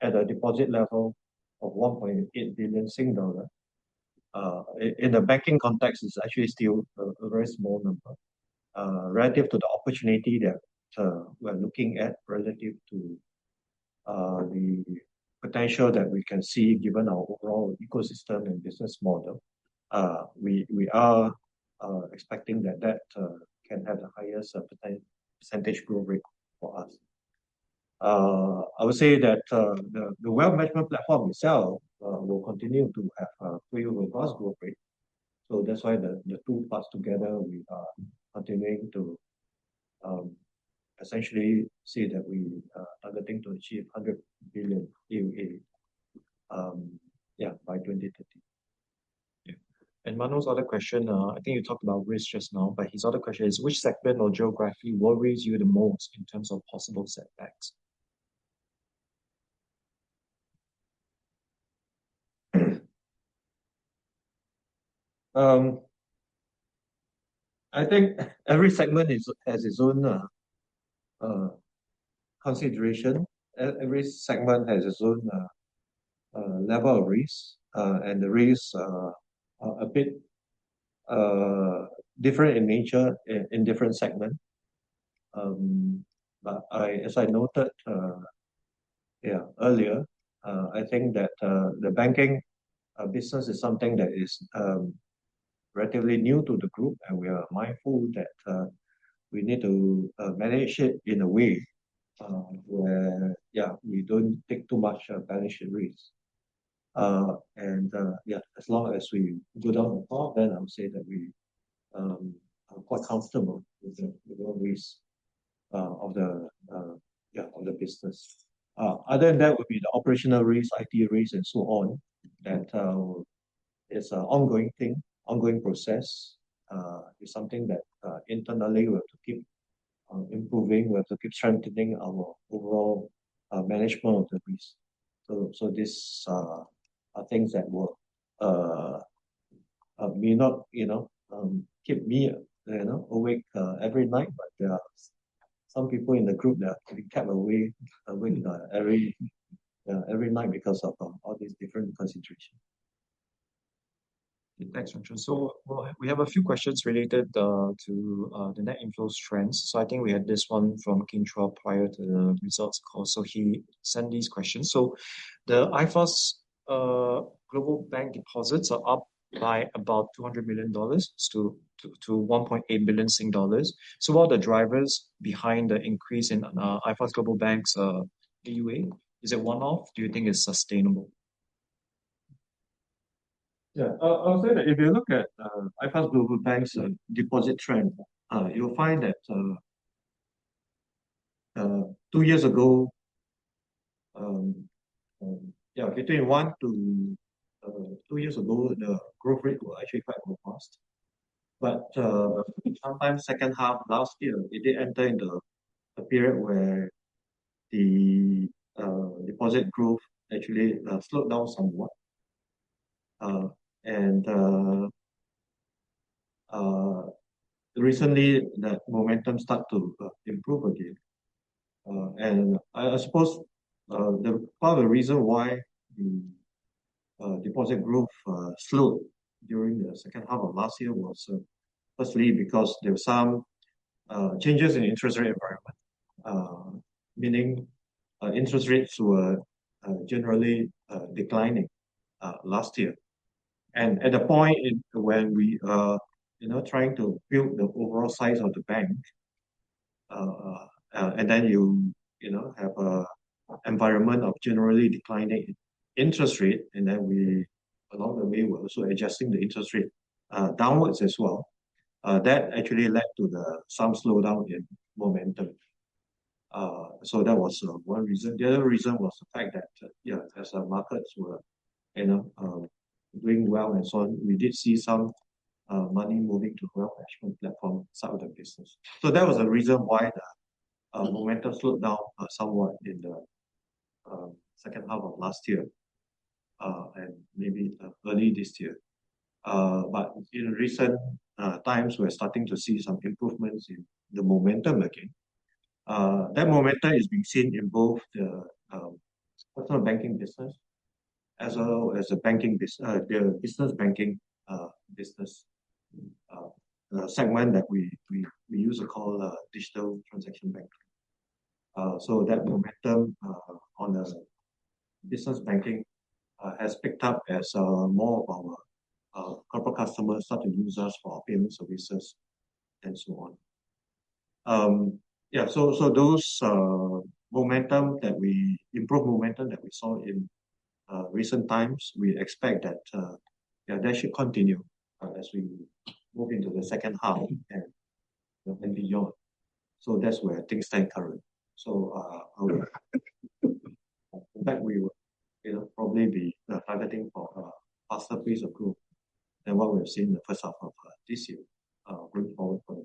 at a deposit level of 1.8 billion Sing dollar, in the banking context, it's actually still a very small number relative to the opportunity that we're looking at relative to the potential that we can see given our overall ecosystem and business model. We are expecting that that can have the highest percentage growth rate for us. I would say that the wealth management platform itself will continue to have a pretty robust growth rate. That's why the two parts together, we are continuing to essentially see that we are getting to achieve 100 billion AUA by 2030. And [Mano's] other question, I think you talked about risk just now, but his other question is, which segment or geography worries you the most in terms of possible setbacks? I think every segment has its own consideration. Every segment has its own level of risk, and the risks are a bit different in nature in different segment. As I noted earlier, I think that the banking business is something that is relatively new to the group, and we are mindful that we need to manage it in a way where we don't take too much vanishing risk. As long as we do that on the top, then I would say that we are quite comfortable with the risk of the business. Other than that, would be the operational risk, IT risk, and so on, that is an ongoing thing, ongoing process. It's something that, internally, we have to keep improving, we have to keep strengthening our overall management of the risk. These are things that may not keep me awake every night, but there are some people in the group that have been kept awake every night because of all these different considerations. Thanks, Chung Chun. We have a few questions related to the net inflows trends. I think we had this one from [Kin Choa] prior to the results call. He sent these questions. The iFAST Global Bank deposits are up by about 200 million dollars to 1.8 billion dollars. What are the drivers behind the increase in iFAST Global Bank's AUA? Is it one-off? Do you think it's sustainable? Yeah. I'll say that if you look at iFAST Global Bank's deposit trend, you'll find that between one to two years ago, the growth rate was actually quite robust. Sometime second half last year, it did enter into a period where the deposit growth actually slowed down somewhat. Recently, that momentum started to improve again. I suppose part of the reason why the deposit growth slowed during the second half last year was, firstly, because there were some changes in interest rate environment, meaning interest rates were generally declining last year. And at the point when we are trying to build the overall size of the bank, and then you have a environment of generally declining interest rate, and then we, along the way, we're also adjusting the interest rate downwards as well, that actually led to some slowdown in momentum. That was one reason. The other reason was the fact that as our markets were doing well and so on, we did see some money moving to wealth management platform, some other business. That was the reason why the momentum slowed down somewhat in the second half of last year, and maybe early this year. In recent times, we're starting to see some improvements in the momentum again. That momentum is being seen in both the personal banking business as well as the business banking business segment that we usually call digital transaction banking. That momentum on the business banking has picked up as more of our corporate customers start to use us for our payment services and so on. Yeah, those momentum, improved momentum that we saw in recent times, we expect that that should continue as we move into the second half and maybe beyond. That's where things stand currently. I would think that we will probably be targeting for a faster pace of growth than what we have seen in the first half of this year, going forward for the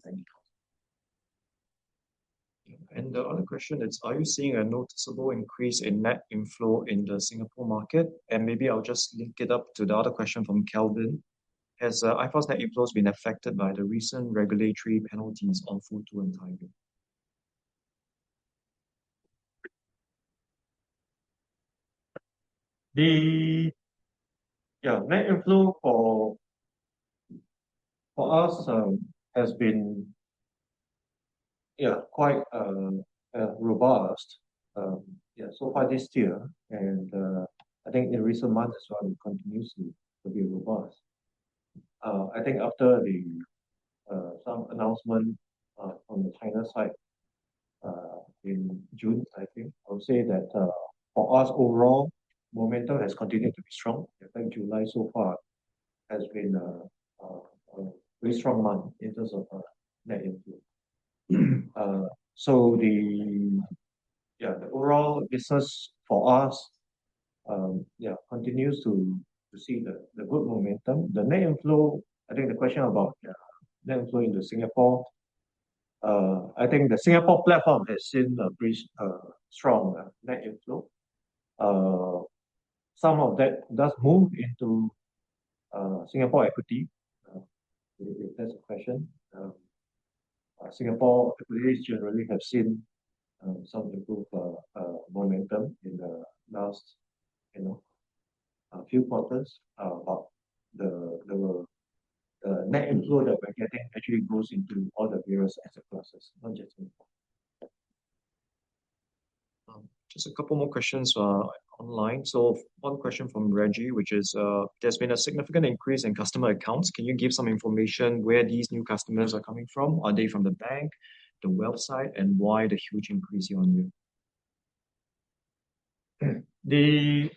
coming quarter. The other question is, are you seeing a noticeable increase in net inflow in the Singapore market? And maybe, I will just link it up to the other question from Kelvin. Has iFAST net inflows been affected by the recent regulatory penalties on Futu in China? The net inflow for us has been quite robust so far this year, and I think in the recent months as well, it continues to be robust. I think after some announcement on the China side in June, I think, I would say that for us overall, momentum has continued to be strong. July, so far, has been a very strong month in terms of net inflow. The overall business for us continues to see the good momentum. The net inflow, I think the question about the net inflow into Singapore, I think the Singapore platform has seen a strong net inflow. Some of that does move into Singapore equity, if that's a question. Singapore equities generally have seen some improved momentum in the last few quarters. The net inflow that we are getting actually goes into all the various asset classes, not just in Singapore. Just a couple more questions online. One question from [Reggie], which is, there has been a significant increase in customer accounts. Can you give some information where these new customers are coming from? Are they from the bank, the wealth side, and why the huge increase year-on-year? The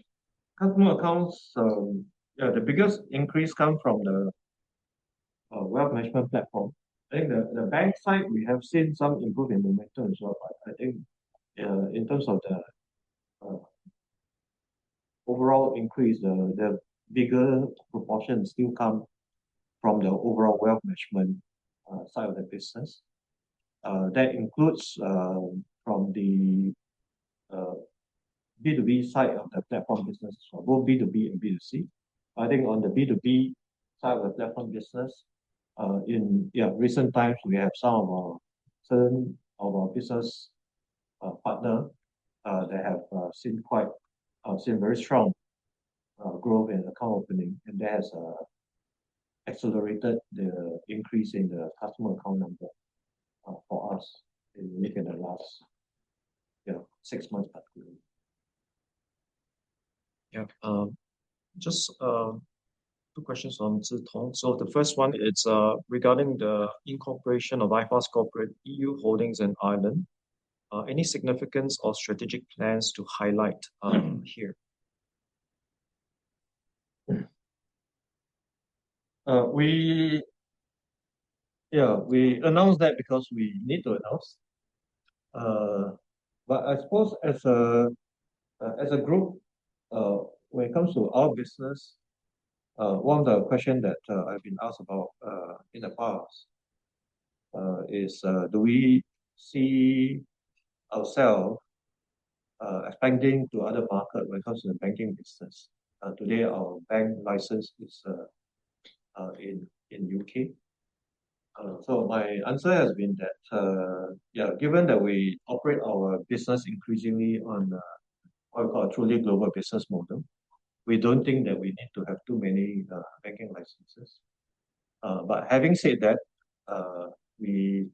customer accounts, the biggest increase come from the wealth management platform. I think the bank side, we have seen some improvement in the momentum as well. I think in terms of the overall increase, the bigger proportion still come from the overall wealth management side of the business. That includes from the B2B side of the platform business as well, both B2B and B2C. I think on the B2B side of the platform business, in recent times, we have some of our business partner that have seen very strong growth in account opening. That has accelerated the increase in the customer account number for us in maybe the last six months particularly. Just two questions on this, Chung. The first one it's regarding the incorporation of iFAST Corporation Pte. Ltd. EU Holdings in Ireland. Any significance or strategic plans to highlight here? We announced that because we need to announce. But I suppose, as a group, when it comes to our business, one of the questions that I've been asked about in the past is, do we see ourselves expanding to other market when it comes to the banking business? Today, our bank license is in U.K. My answer has been that, given that we operate our business increasingly on a truly global business model, we don't think that we need to have too many banking licenses. Having said that, we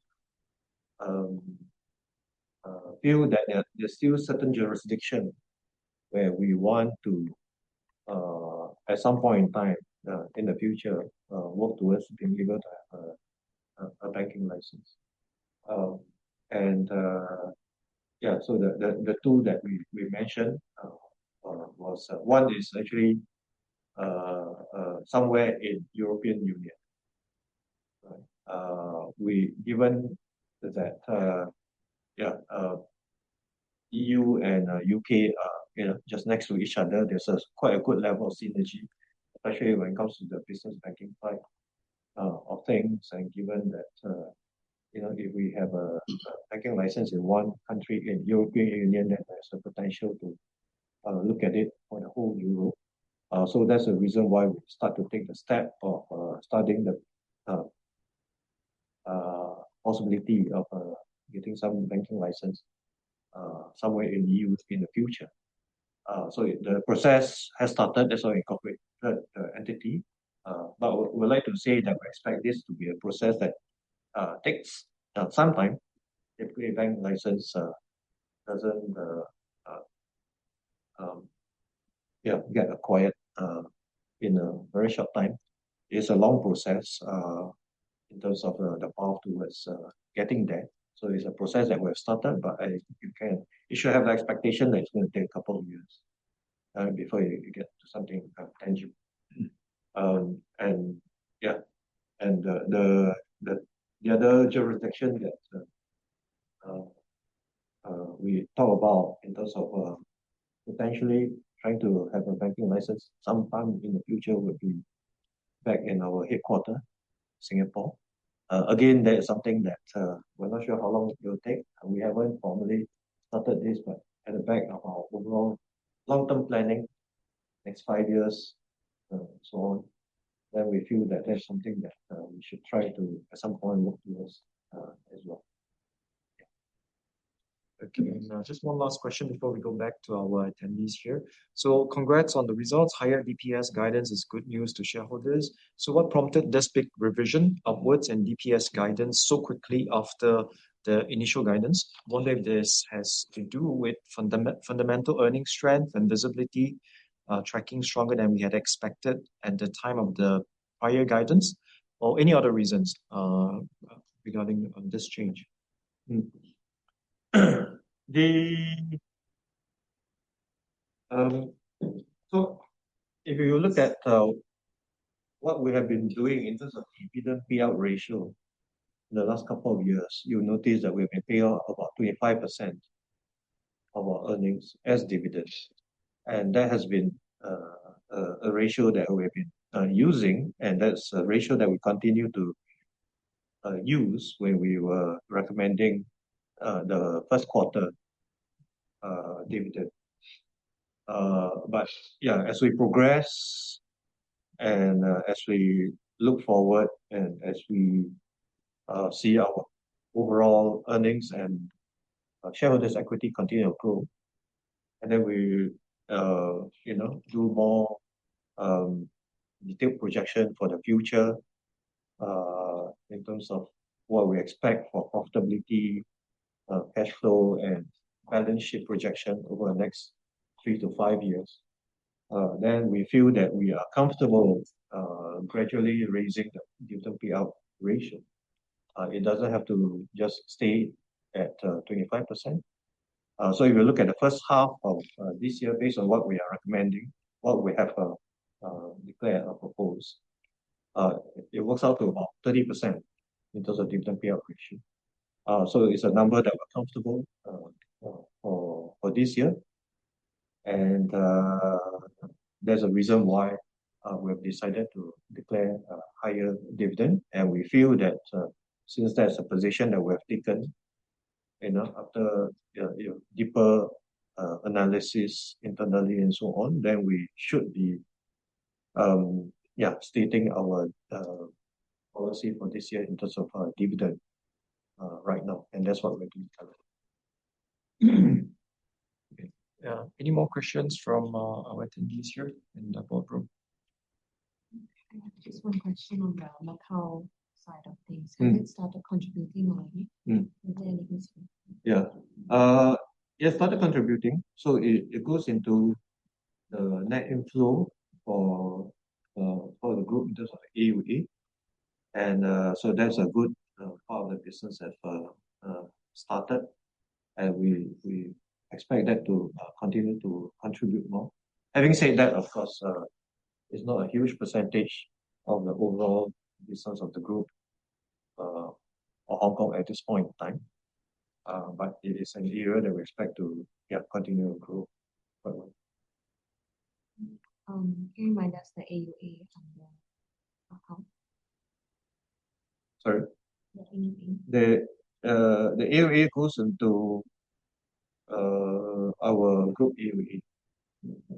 feel that there are still certain jurisdiction where we want to, at some point in time, in the future, work towards being able to have a banking license. The two that we mentioned was, one is actually somewhere in European Union. Given that EU and U.K. are just next to each other, there's a quite a good level of synergy, especially when it comes to the business banking side of things, and given that if we have a banking license in one country in European Union, that has the potential to look at it for the whole of Europe. That's the reason why we start to take the step of starting the possibility of getting some banking license somewhere in EU in the future. The process has started, that's why we incorporate the entity. We'd like to say that we expect this to be a process that takes some time. Typically, a bank license doesn't get acquired in a very short time. It's a long process in terms of the path towards getting there. It's a process that we've started, but you should have the expectation that it's going to take a couple of years before you get to something tangible. The other jurisdiction that we talk about in terms of potentially trying to have a banking license sometime in the future would be back in our headquarter, Singapore. Again, that is something that we're not sure how long it will take, and we haven't formally started this, at the back of our overall long-term planning, next five years and so on, that we feel that that's something that we should try to, at some point, work towards as well. Just one last question before we go back to our attendees here. So, congrats on the results. Higher DPS guidance is good news to shareholders. What prompted this big revision upwards in DPS guidance so quickly after the initial guidance? Wonder if this has to do with fundamental earning strength and visibility tracking stronger than we had expected at the time of the prior guidance, or any other reasons regarding this change? If you look at what we have been doing in terms of dividend payout ratio in the last couple of years, you'll notice that we've been paying out about 25% of our earnings as dividends. That has been a ratio that we've been using, and that's a ratio that we continue to use when we were recommending the first quarter dividend. But as we progress and as we look forward, and as we see our overall earnings and shareholders' equity continue to grow, then we do more detailed projection for the future, in terms of what we expect for profitability, cash flow, and balance sheet projection over the next three to five years, then we feel that we are comfortable with gradually raising the dividend payout ratio. It doesn't have to just stay at 25%. If you look at the first half of this year, based on what we are recommending, what we have declared or proposed, it works out to about 30% in terms of dividend payout ratio. It's a number that we're comfortable for this year. There's a reason why we've decided to declare a higher dividend. We feel that since that's the position that we have taken, after deeper analysis internally and so on, then we should be stating our policy for this year in terms of our dividend right now. That's what we're doing today. Any more questions from our attendees here in the boardroom? I have just one question on the Macau side of things. Has it started contributing already? The AUA? Yeah. It started contributing. It goes into the net inflow for the group in terms of AUA. That's a good part of the business that started, and we expect that to continue to contribute more. Having said that, of course, it's not a huge percentage of the overall business of the group or Hong Kong at this point in time. But it is an area that we expect to continue to grow further. Can you remind us the AUA on the Macau? Sorry? The AUA. The AUA goes into our group AUA.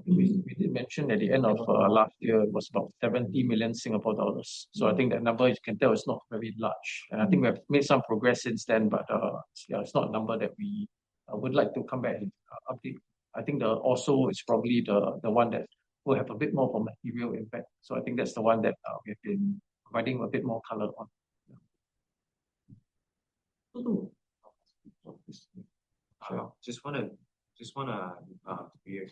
We did mention at the end of last year it was about 70 million Singapore dollars. I think that number, as you can tell, is not very large. I think we have made some progress since then, but it's not a number that we would like to come back and update. I think the ORSO is probably the one that will have a bit more of a material impact. I think that's the one that we have been providing a bit more color on. Yeah. Just want to be clear.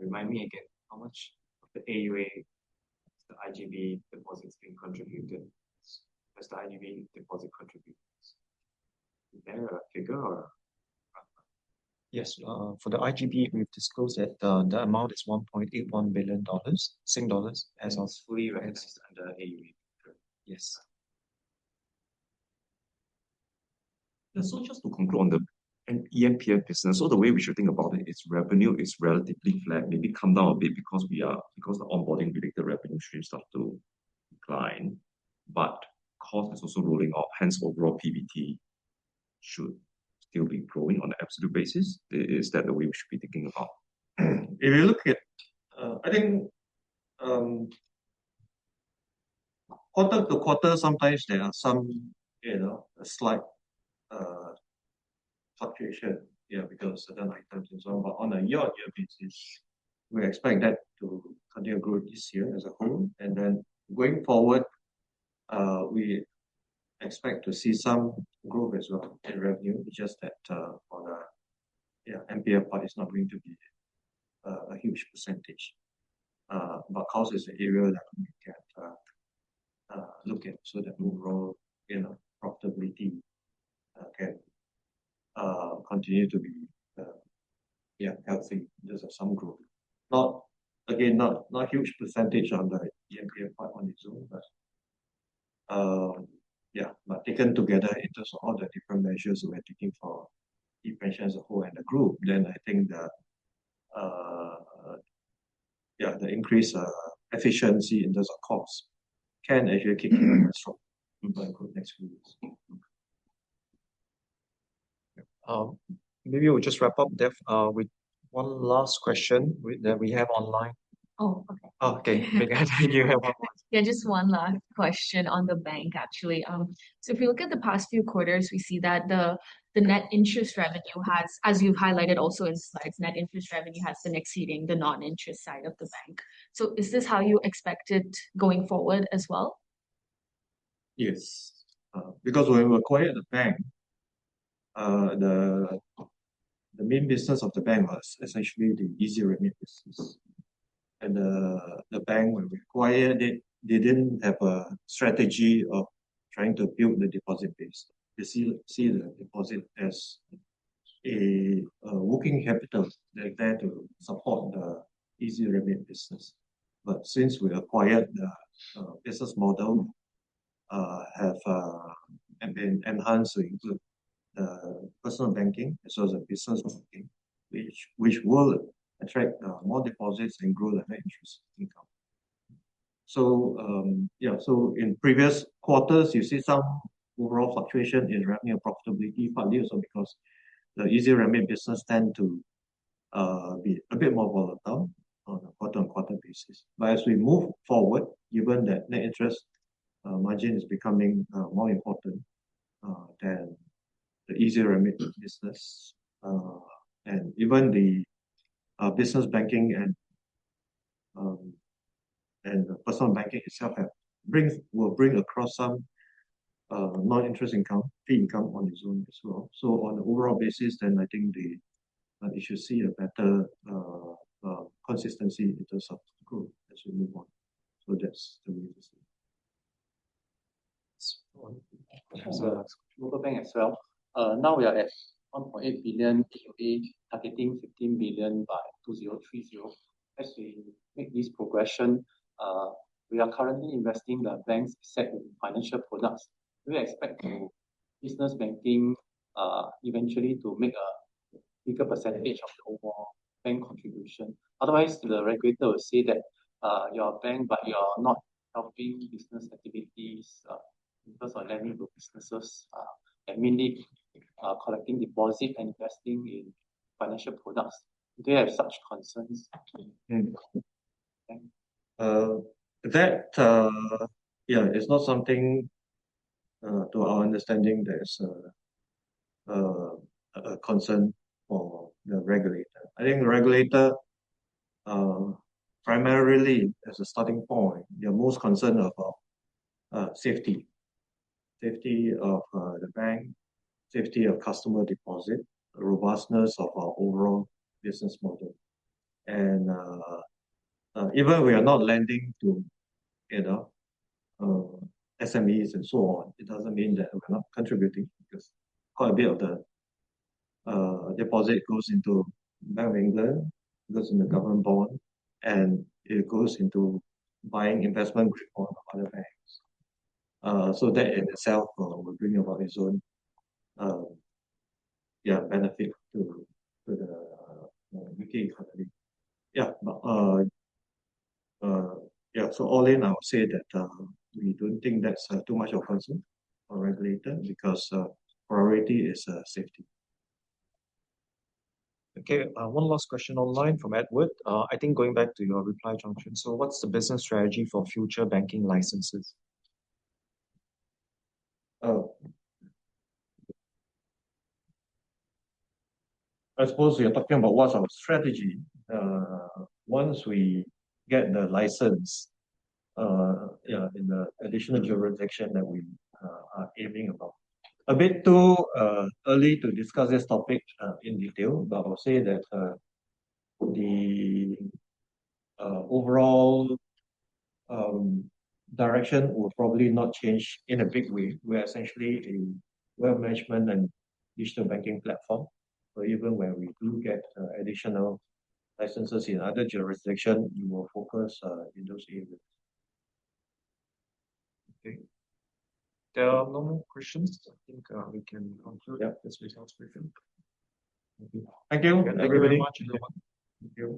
Remind me again, how much of the AUA has the IGB deposits been contributing? Has the IGB deposit contributed? Is there a figure or? Yes. For the IGB, we've disclosed that the amount is 1.81 billion Sing dollars, as of fully recognized under AUA. Yes. Just to conclude, on the eMPF business, so the way we should think about it is revenue is relatively flat, maybe come down a bit because the onboarding-related revenue should start to decline. But cost is also rolling off, hence, overall PBT should still be growing on an absolute basis. Is that the way we should be thinking about? If you look at, I think, quarter-to-quarter, sometimes, there are some slight fluctuations because certain items and so on. But on a year-on-year basis, we expect that to continue to grow this year as a whole. Then, going forward, we expect to see some growth as well in revenue, just that on the eMPF part, it's not going to be a huge percentage. But cost is the area that we can look at so that overall profitability can continue to be healthy. There's some growth. But again, not a huge percentage on the eMPF part on its own. But taken together, in terms of all the different measures we are taking for ePENSION as a whole and the group, then I think the increase efficiency in terms of cost can actually keep growing strong for the next few years. Maybe, we'll just wrap up, [Dev], with one last question that we have online. Oh, okay. Okay. [Dev], I think you have one last. Yeah, just one last question on the bank, actually. If we look at the past few quarters, we see that the net interest revenue has, as you've highlighted also in slides, net interest revenue has been exceeding the non-interest side of the bank. Is this how you expect it going forward as well? Yes, because when we acquired the bank, the main business of the bank was essentially the EzRemit business. The bank, when we acquired it, they didn't have a strategy of trying to build the deposit base. They see the deposit as a working capital there to support the EzRemit business. But since we acquired the business model have, and enhancing the personal banking as well as the business banking, which will attract more deposits and grow the net interest income. In previous quarters, you see some overall fluctuation in revenue profitability because the EzRemit business tends to be a bit more volatile on a quarter-on-quarter basis. As we move forward, given that net interest margin is becoming more important than the EzRemit business, and even the business banking and the personal banking itself will bring across some non-interest fee income on its own as well, so on an overall basis, I think that you should see a better consistency in terms of growth as we move on. That's the way to see it. So, about iFAST Global Bank as well. Now, we are at 1.8 billion AUA targeting 15 billion by 2030. As we make this progression, we are currently investing the bank's assets in financial products. Do you expect business banking eventually to make a bigger percentage of the overall bank contribution? Otherwise, the regulator will say that, you're a bank, but you're not helping business activities, in terms of lending to businesses, and mainly collecting deposit and investing in financial products. Do you have such concerns? That, it's not something, to our understanding, there's a concern for the regulator. I think the regulator, primarily as a starting point, they're most concerned about safety. Safety of the bank, safety of customer deposit, the robustness of our overall business model. Even we are not lending to SMEs and so on, it doesn't mean that we're not contributing, because quite a bit of the deposit goes into Bank of England, goes into government bond, and it goes into buying investment on other banks. That in itself will bring about its own benefit to the U.K. economy. So, all in, I would say that we don't think that's too much of a concern for regulator because priority is safety. Okay, one last question online from [Edward]. I think going back to your reply, Chung Chun. What's the business strategy for future banking licenses? I suppose you're talking about what's our strategy, once we get the license, yeah, in the additional jurisdiction that we are aiming about. A bit too early to discuss this topic, in detail, but I'll say that the overall direction will probably not change in a big way, where, essentially, in wealth management and digital banking platform. Even when we do get additional licenses in other jurisdiction, we will focus in those areas. Okay. There are no more questions. I think we can conclude. Yeah. This results briefing. Thank you everybody. Thank you very much, everyone. Thank you.